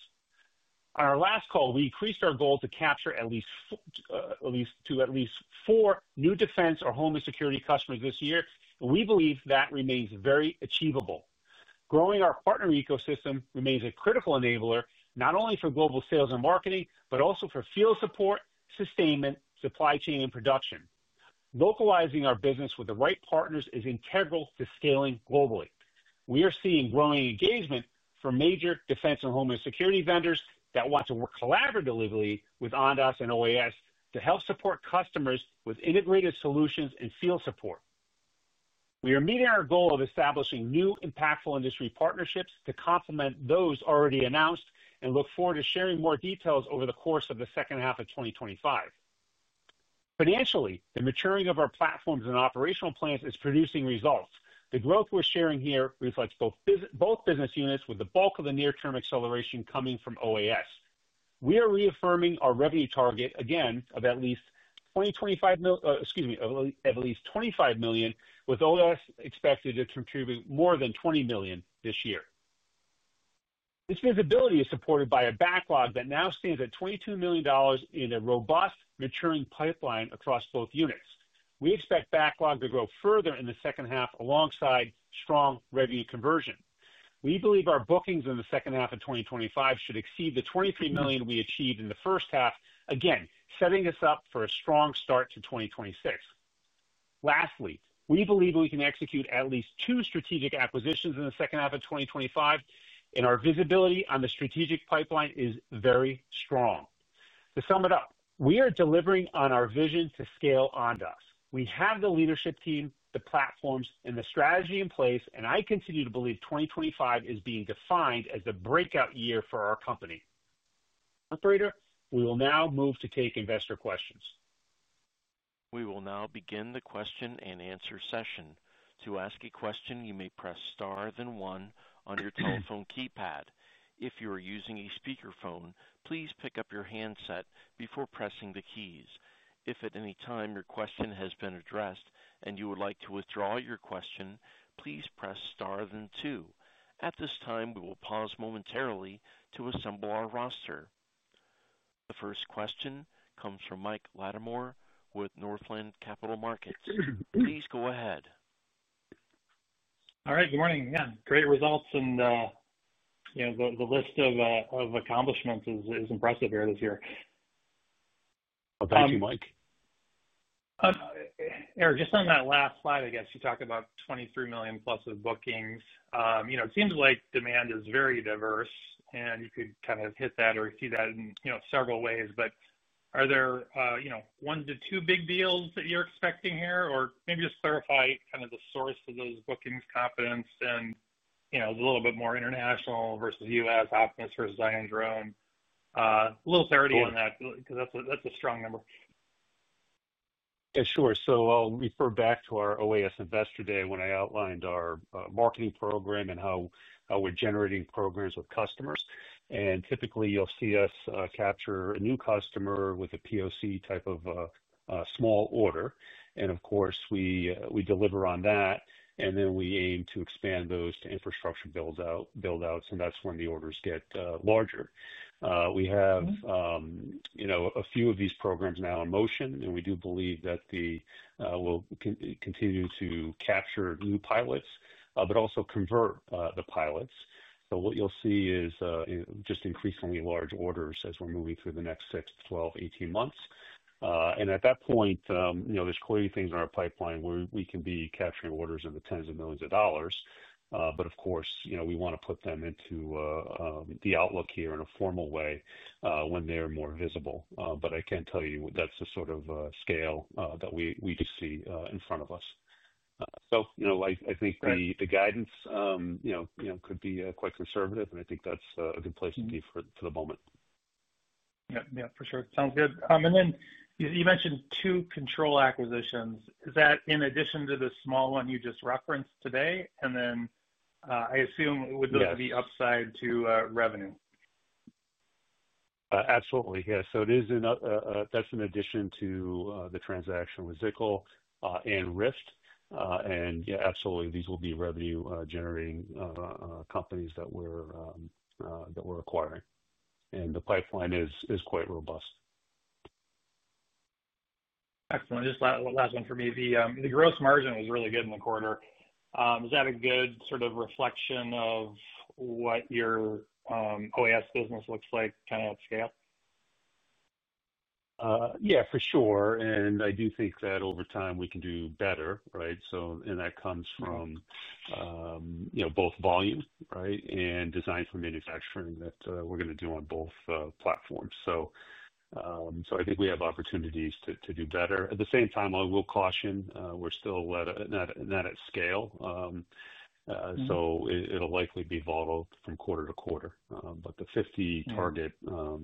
On our last call, we increased our goal to capture at least two to at least four new defense or homeland security customers this year, and we believe that remains very achievable. Growing our partner ecosystem remains a critical enabler, not only for global sales and marketing, but also for field support, sustainment, supply chain, and production. Localizing our business with the right partners is integral to scaling globally. We are seeing growing engagement from major defense and homeland security vendors that want to work collaboratively with Ondas and OAS to help support customers with integrated solutions and field support. We are meeting our goal of establishing new impactful industry partnerships to complement those already announced and look forward to sharing more details over the course of the second half of 2025. Financially, the maturing of our platforms and operational plans is producing results. The growth we're sharing here reflects both business units, with the bulk of the near-term acceleration coming from OAS. We are reaffirming our revenue target again of at least $25 million, with OAS expected to contribute more than $20 million this year. This visibility is supported by a backlog that now stands at $22 million and a robust, maturing pipeline across both units. We expect backlog to grow further in the second half alongside strong revenue conversion. We believe our bookings in the second half of 2025 should exceed the $23 million we achieved in the first half, again setting us up for a strong start to 2026. Lastly, we believe we can execute at least two strategic acquisitions in the second half of 2025, and our visibility on the strategic pipeline is very strong. To sum it up, we are delivering on our vision to scale Ondas. We have the leadership team, the platforms, and the strategy in place, and I continue to believe 2025 is being defined as the breakout year for our company. Operator, we will now move to take investor questions. We will now begin the question and answer session. To ask a question, you may press star then one on your telephone keypad. If you are using a speakerphone, please pick up your handset before pressing the keys. If at any time your question has been addressed and you would like to withdraw your question, please press star then two. At this time, we will pause momentarily to assemble our roster. The first question comes from Mike Latimore with Northland Capital Markets. Please go ahead. All right. Good morning. Great results and, you know, the list of accomplishments is impressive here this year. Thank you, Mike. Eric, just on that last slide, I guess you talked about $23 million plus of bookings. It seems like demand is very diverse, and you could kind of hit that or see that in several ways. Are there one to two big deals that you're expecting here, or maybe just clarify the source of those bookings, competence, and a little bit more international versus U.S., Optimus versus Iron Drone. A little clarity on that because that's a strong number. Yeah, sure. I'll refer back to our OAS Investor Day when I outlined our marketing program and how we're generating programs with customers. Typically, you'll see us capture a new customer with a POC type of a small order. Of course, we deliver on that, and then we aim to expand those to infrastructure buildouts, and that's when the orders get larger. We have a few of these programs now in motion, and we do believe that we'll continue to capture new pilots, but also convert the pilots. What you'll see is just increasingly large orders as we're moving through the next 6, 12, 18 months. At that point, there are quite a few things in our pipeline where we can be capturing orders in the tens of millions of dollars. Of course, we want to put them into the outlook here in a formal way when they're more visible. I can tell you that's the sort of scale that we see in front of us. I think the guidance could be quite conservative, and I think that's a good place to be for the moment. Yes, for sure. Sounds good. You mentioned two control acquisitions. Is that in addition to the small one you just referenced today? I assume would those be upside to revenue? Absolutely, yeah. That is in addition to the transaction with Sickle Engineering and RIFT. Yeah, absolutely, these will be revenue-generating companies that we're acquiring, and the pipeline is quite robust. Excellent. Just one last one for me. The gross margin was really good in the quarter. Is that a good sort of reflection of what your OAS business looks like kind of at scale? Yeah, for sure. I do think that over time we can do better, right? That comes from both volume, right, and design for manufacturing that we're going to do on both platforms. I think we have opportunities to do better. At the same time, I will caution, we're still not at scale. It'll likely be volatile from quarter to quarter. The 50 target,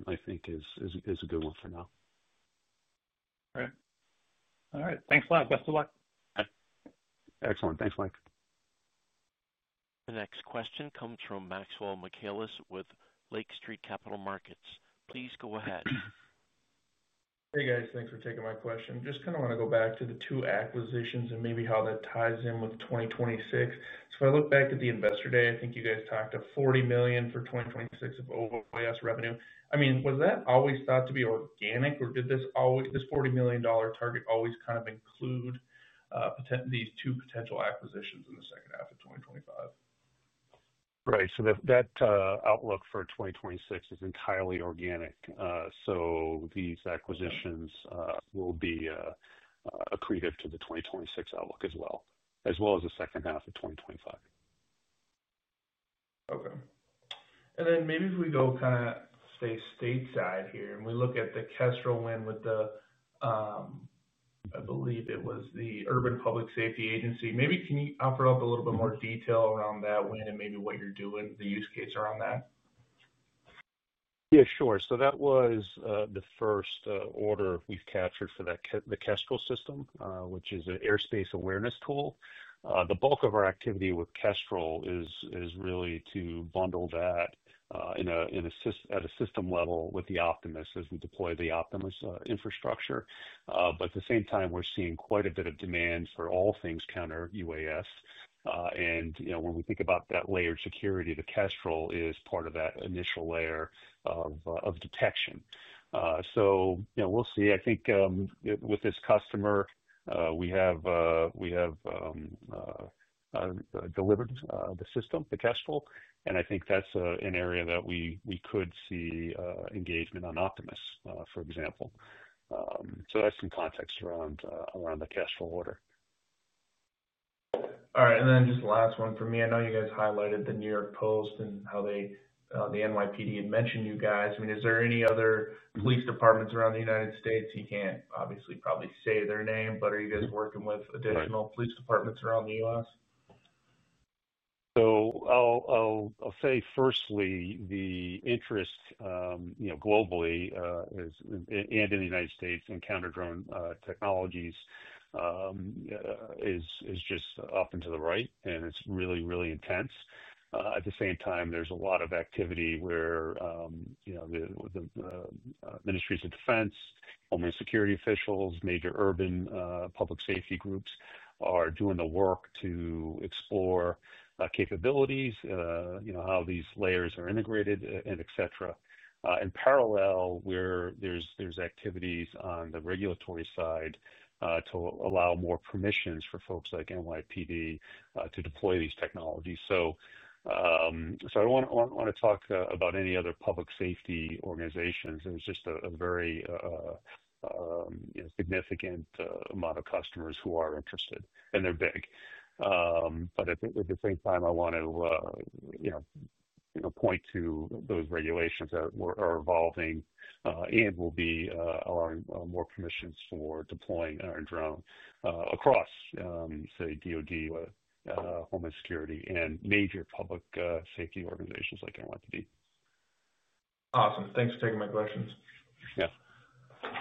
I think, is a good one for now. Okay. All right. Thanks a lot. Best of luck. Excellent. Thanks, Mike. The next question comes from Maxwell Michaelis with Lake Street Capital Markets. Please go ahead. Hey guys, thanks for taking my question. Just kind of want to go back to the two acquisitions and maybe how that ties in with 2026. If I look back at the Investor Day, I think you guys talked of $40 million for 2026 of OAS revenue. Was that always thought to be organic, or did this $40 million target always kind of include these two potential acquisitions in the second half of 2025? Right. That outlook for 2026 is entirely organic. These acquisitions will be accretive to the 2026 outlook as well as the second half of 2025. Okay. If we go kind of stay stateside here and we look at the Kestrel win with the, I believe it was the Urban Public Safety Agency, can you offer up a little bit more detail around that win and maybe what you're doing, the use case around that? Yeah, sure. That was the first order we've captured for the Kestrel system, which is an airspace awareness tool. The bulk of our activity with Kestrel is really to bundle that at a system level with the Optimus as we deploy the Optimus infrastructure. At the same time, we're seeing quite a bit of demand for all things counter-UAS. When we think about that layered security, the Kestrel is part of that initial layer of detection. We'll see. I think with this customer, we have delivered the system, the Kestrel, and I think that's an area that we could see engagement on Optimus, for example. That's in context around the Kestrel order. All right. Just the last one for me. I know you guys highlighted the New York Post and how the NYPD had mentioned you guys. Is there any other police departments around the United States? You can't obviously probably say their name, but are you guys working with additional police departments around the U.S.? Firstly, the interest globally and in the United States in counter-drone technologies is just up and to the right, and it's really, really intense. At the same time, there's a lot of activity where the ministries of defense, homeland security officials, major urban public safety groups are doing the work to explore capabilities, how these layers are integrated, et cetera. In parallel, there's activities on the regulatory side to allow more permissions for folks like NYPD to deploy these technologies. I don't want to talk about any other public safety organizations. There's just a very significant amount of customers who are interested, and they're big. At the same time, I want to point to those regulations that are evolving and will be allowing more permissions for deploying our drone across, say, DOD, homeland security, and major public safety organizations like NYPD. Awesome. Thanks for taking my questions. Yeah,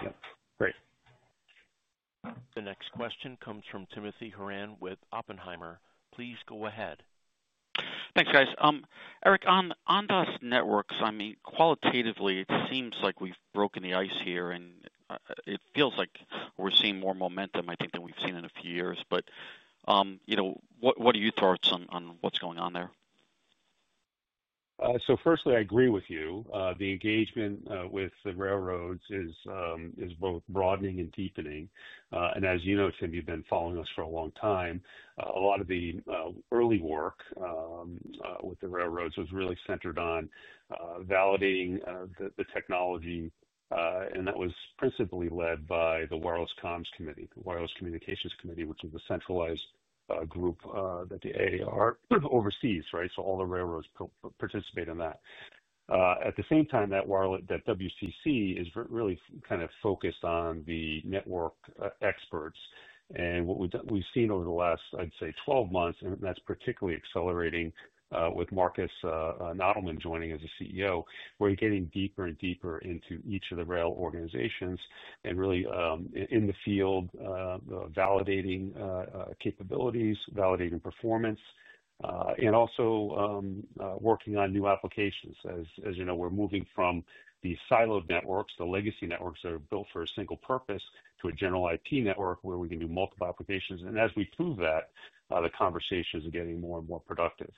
yeah. Great. The next question comes from Timothy Horan with Oppenheimer. Please go ahead. Thanks, guys. Eric, on Ondas Networks, I mean, qualitatively, it seems like we've broken the ice here, and it feels like we're seeing more momentum, I think, than we've seen in a few years. What are your thoughts on what's going on there? Firstly, I agree with you. The engagement with the railroads is both broadening and deepening. As you know, Tim, you've been following us for a long time. A lot of the early work with the railroads was really centered on validating the technology, and that was principally led by the Wireless Communications Committee, which is a centralized group that the Association of American Railroads oversees, right? All the railroads participate in that. At the same time, that Wireless Communications Committee is really kind of focused on the network experts. What we've seen over the last, I'd say, 12 months, and that's particularly accelerating with Markus Nottelmann joining as CEO, is that you're getting deeper and deeper into each of the rail organizations and really in the field, validating capabilities, validating performance, and also working on new applications. As you know, we're moving from these siloed networks, the legacy networks that are built for a single purpose, to a generalized network where we can do multiple applications. As we prove that, the conversations are getting more and more productive.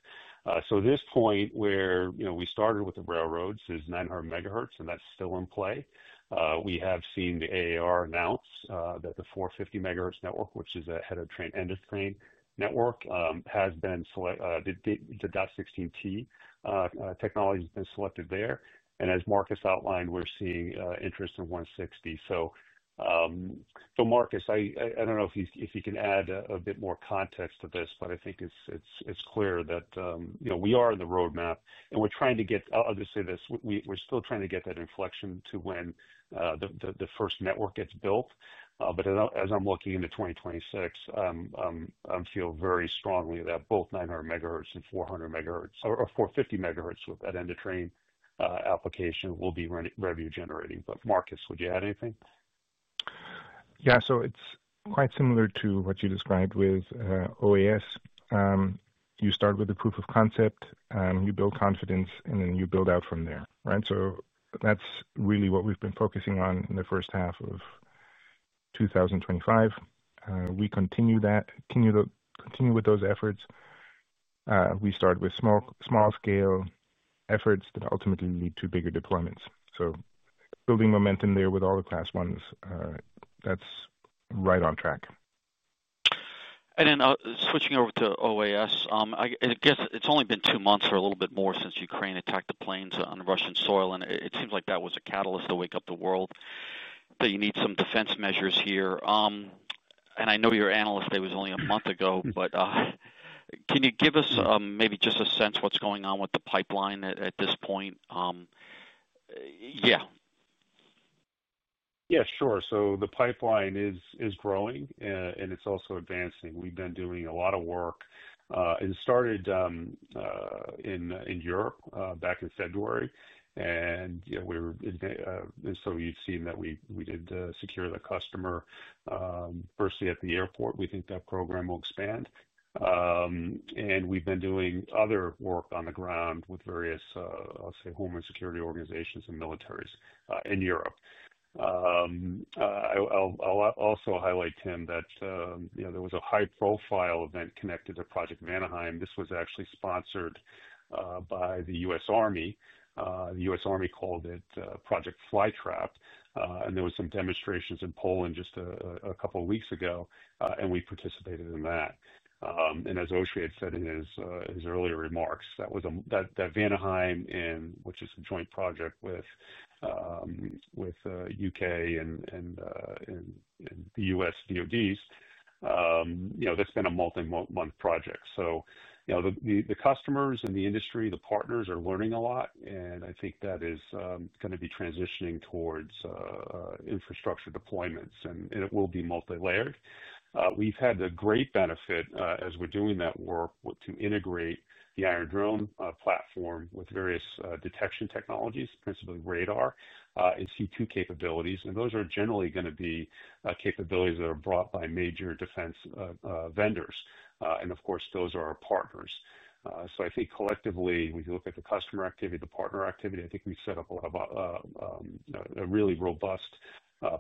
At this point, where we started with the railroads is 900 MHz, and that's still in play. We have seen the Association of American Railroads announce that the 450 MHz network, which is a head of train end of train network, has been selected. The DOT-16 protocol technology has been selected there. As Markus outlined, we're seeing interest in 160. Markus, I don't know if you can add a bit more context to this, but I think it's clear that we are in the roadmap, and we're trying to get, I'll just say this, we're still trying to get that inflection to when the first network gets built. As I'm looking into 2026, I feel very strongly that both 900 MHz and 400 MHz or 450 MHz with that end of train application will be revenue generating. Markus, would you add anything? Yeah, so it's quite similar to what you described with OAS. You start with a proof of concept, you build confidence, and then you build out from there, right? That's really what we've been focusing on in the first half of 2025. We continue that, continue with those efforts. We start with small scale efforts that ultimately lead to bigger deployments. Building momentum there with all the Class 1s, that's right on track. Switching over to OAS, I guess it's only been two months or a little bit more since Ukraine attacked the planes on Russian soil, and it seems like that was a catalyst to wake up the world that you need some defense measures here. I know your analyst day was only a month ago, but can you give us maybe just a sense of what's going on with the pipeline at this point? Yeah. Yeah, sure. The pipeline is growing, and it's also advancing. We've been doing a lot of work. It started in Europe back in February, and you've seen that we did secure the customer firstly at the airport. We think that program will expand. We've been doing other work on the ground with various, I'll say, homeland security organizations and militaries in Europe. I'll also highlight, Tim, that there was a high-profile event connected to Project VANDEHEIM. This was actually sponsored by the U.S. Army. The U.S. Army called it Project Flytrap. There were some demonstrations in Poland just a couple of weeks ago, and we participated in that. As Oshri had said in his earlier remarks, VANDEHEIM, which is a joint project with the UK and the U.S. DODs, that's been a multi-month project. The customers and the industry, the partners are learning a lot, and I think that is going to be transitioning towards infrastructure deployments, and it will be multilayered. We've had the great benefit as we're doing that work to integrate the Iron Drone radar system with various detection technologies, principally radar and C2 capabilities. Those are generally going to be capabilities that are brought by major defense vendors, and of course, those are our partners. Collectively, when you look at the customer activity, the partner activity, I think we've set up a really robust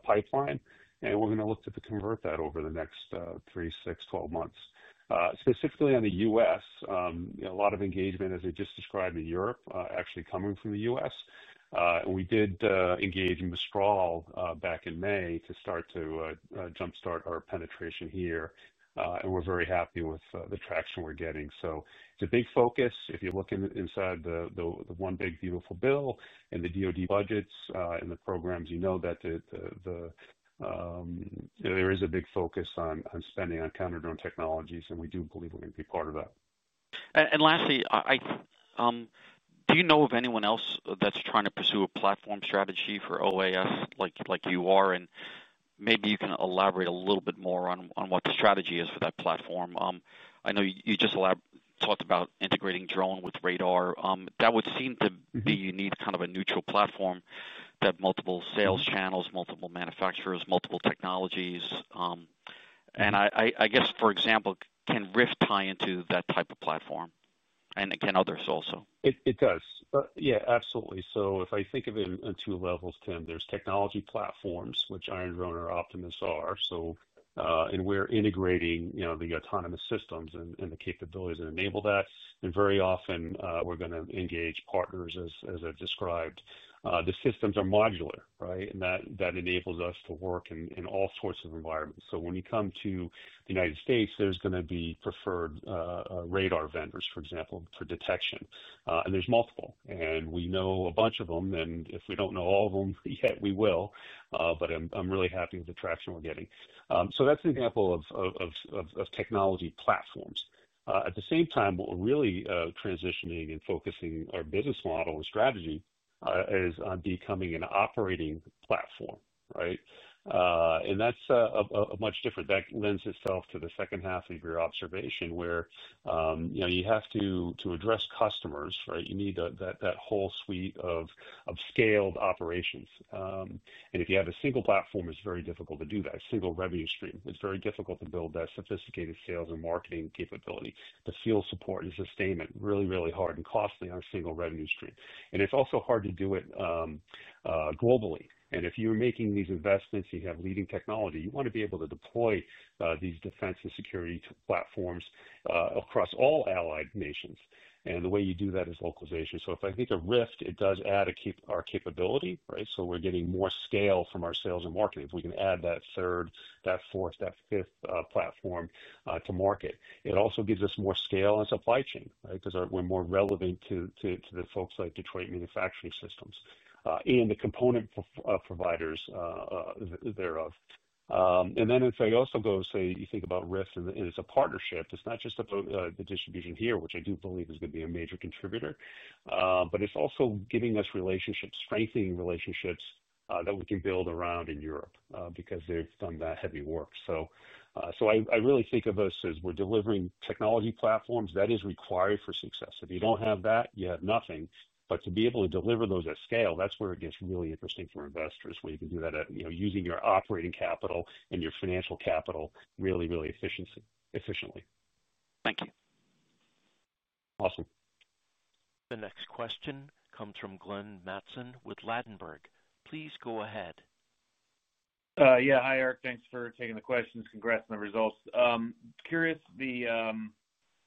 pipeline, and we're going to look to convert that over the next 3, 6, 12 months. Specifically on the U.S., a lot of engagement, as I just described in Europe, actually coming from the U.S. We did engage in Mistral back in May to start to jumpstart our penetration here, and we're very happy with the traction we're getting. It's a big focus. If you look inside the one big beautiful bill and the DOD budgets and the programs, you know that there is a big focus on spending on counter-drone technologies, and we do believe we're going to be part of that. Lastly, do you know of anyone else that's trying to pursue a platform strategy for OAS like you are? Maybe you can elaborate a little bit more on what the strategy is for that platform. I know you just talked about integrating drone with radar. That would seem to be a kind of a neutral platform that has multiple sales channels, multiple manufacturers, multiple technologies. I guess, for example, can RIFT tie into that type of platform and others also? It does. Yeah, absolutely. If I think of it in two levels, Tim, there's technology platforms, which Iron Drone or Optimus are. We're integrating the autonomous systems and the capabilities that enable that. Very often, we're going to engage partners, as I described. The systems are modular, right? That enables us to work in all sorts of environments. When you come to the United States, there's going to be preferred radar vendors, for example, for detection. There's multiple. We know a bunch of them. If we don't know all of them, yeah, we will. I'm really happy with the traction we're getting. That's an example of technology platforms. At the same time, what we're really transitioning and focusing our business model and strategy on is becoming an operating platform, right? That's a much different... That lends itself to the second half of your observation where you have to address customers, right? You need that whole suite of scaled operations. If you have a single platform, it's very difficult to do that. A single revenue stream. It's very difficult to build that sophisticated sales and marketing capability. The field support and sustainment is really, really hard and costly on a single revenue stream. It's also hard to do it globally. If you're making these investments, you have leading technology, you want to be able to deploy these defense and security platforms across all allied nations. The way you do that is localization. If I think of RIFT, it does add our capability, right? We're getting more scale from our sales and marketing. If we can add that third, that fourth, that fifth platform to market, it also gives us more scale on supply chain, right? Because we're more relevant to the folks like Detroit Manufacturing Systems and the component providers thereof. If I also go, say, you think about RIFT and it's a partnership, it's not just about the distribution here, which I do believe is going to be a major contributor, but it's also giving us relationships, strengthening relationships that we can build around in Europe because they've done that heavy work. I really think of us as we're delivering technology platforms that are required for success. If you don't have that, you have nothing. To be able to deliver those at scale, that's where it gets really interesting for investors, where you can do that using your operating capital and your financial capital really, really efficiently. Thank you. Awesome. The next question. Come from Glenn Mattson with Ladenburg. Please go ahead. Yeah. Hi, Eric. Thanks for taking the questions. Congrats on the results. Curious,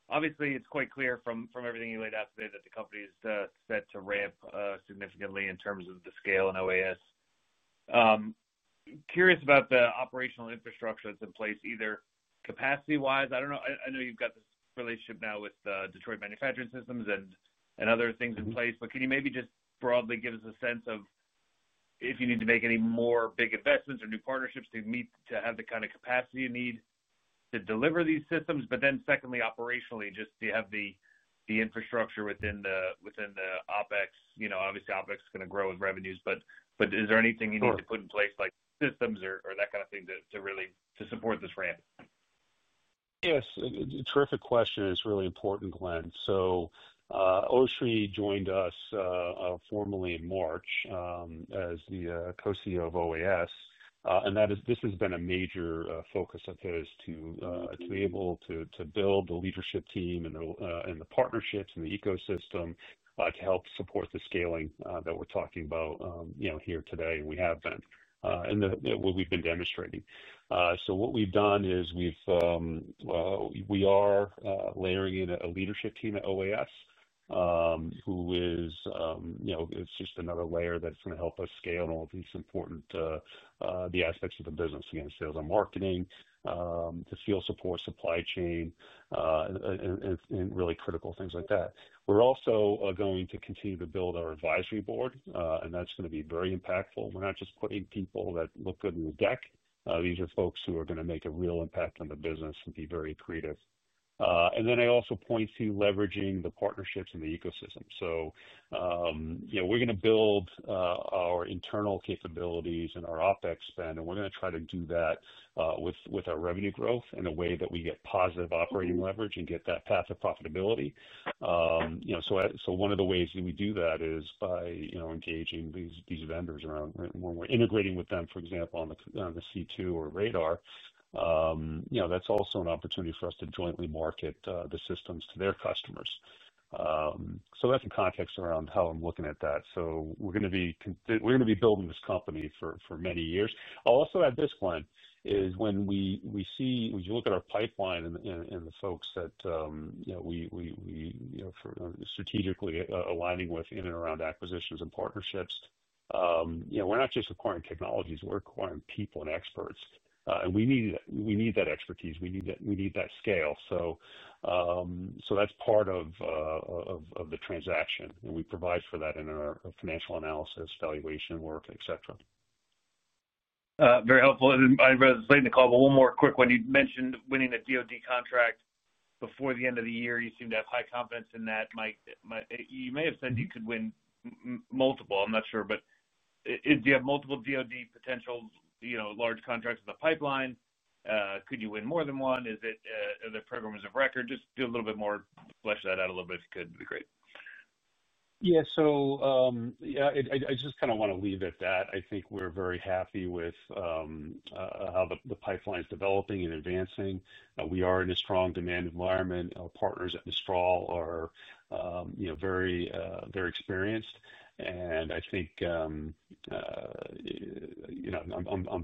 obviously, it's quite clear from everything you laid out today that the company is set to ramp significantly in terms of the scale and OAS. Curious about the operational infrastructure that's in place, either capacity-wise. I don't know. I know you've got this relationship now with Detroit Manufacturing Systems and other things in place. Can you maybe just broadly give us a sense of if you need to make any more big investments or new partnerships to have the kind of capacity you need to deliver these systems? Secondly, operationally, do you have the infrastructure within the OpEx? You know, obviously, OpEx is going to grow with revenues. Is there anything you need to put in place, like systems or that kind of thing, to really support this ramp? Yes. Terrific question. It's really important, Glenn. Oshri joined us formally in March as the Co-CEO of OAS. This has been a major focus of his, to be able to build the leadership team and the partnerships and the ecosystem to help support the scaling that we're talking about here today, and we have been, and what we've been demonstrating. What we've done is we are layering in a leadership team at OAS who is, you know, it's just another layer that's going to help us scale in all these important aspects of the business, again, sales and marketing, to field support, supply chain, and really critical things like that. We're also going to continue to build our advisory board, and that's going to be very impactful. We're not just putting people that look good on the deck. These are folks who are going to make a real impact on the business and be very creative. I also point to leveraging the partnerships in the ecosystem. We're going to build our internal capabilities and our OpEx spend, and we're going to try to do that with our revenue growth in a way that we get positive operating leverage and get that path of profitability. One of the ways that we do that is by engaging these vendors around. When we're integrating with them, for example, on the C2 or radar, that's also an opportunity for us to jointly market the systems to their customers. That's the context around how I'm looking at that. We're going to be building this company for many years. I'll also add this, Glenn, when you look at our pipeline and the folks that we are strategically aligning with in and around acquisitions and partnerships, we're not just acquiring technologies. We're acquiring people and experts. We need that expertise. We need that scale. That's part of the transaction. We provide for that in our financial analysis, valuation work, etc. Very helpful. I'd rather save the call, but one more quick one. You mentioned winning a DoD contract before the end of the year. You seem to have high confidence in that. You may have said you could win multiple. I'm not sure. Do you have multiple DoD potential, you know, large contracts in the pipeline? Could you win more than one? Are there programs of record? Just do a little bit more, flesh that out a little bit, if you could, it'd be great. Yeah. I just kind of want to leave it at that. I think we're very happy with how the pipeline is developing and advancing. We are in a strong demand environment. Our partners at Mistral are very, very experienced. I think you know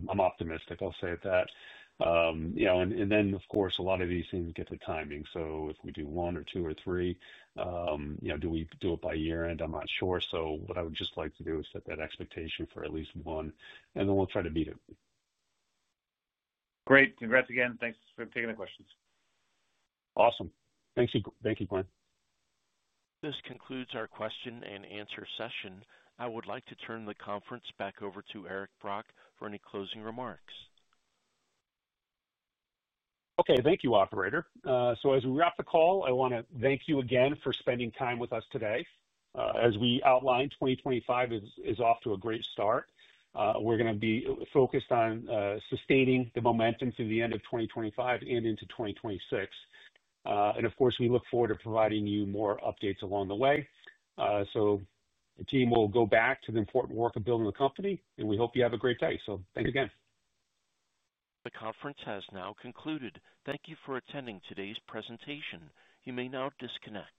I'm optimistic. I'll say it that. You know, of course, a lot of these things get the timing. If we do one or two or three, you know, do we do it by year-end? I'm not sure. What I would just like to do is set that expectation for at least one, and then we'll try to beat it. Great. Congrats again. Thanks for taking the questions. Awesome. Thank you. Thank you, Glenn. This concludes our question and answer session. I would like to turn the conference back over to Eric Brock for any closing remarks. Okay. Thank you, operator. As we wrap the call, I want to thank you again for spending time with us today. As we outlined, 2025 is off to a great start. We're going to be focused on sustaining the momentum through the end of 2025 and into 2026. Of course, we look forward to providing you more updates along the way. The team will go back to the important work of building the company, and we hope you have a great day. Thanks again. The conference has now concluded. Thank you for attending today's presentation. You may now disconnect.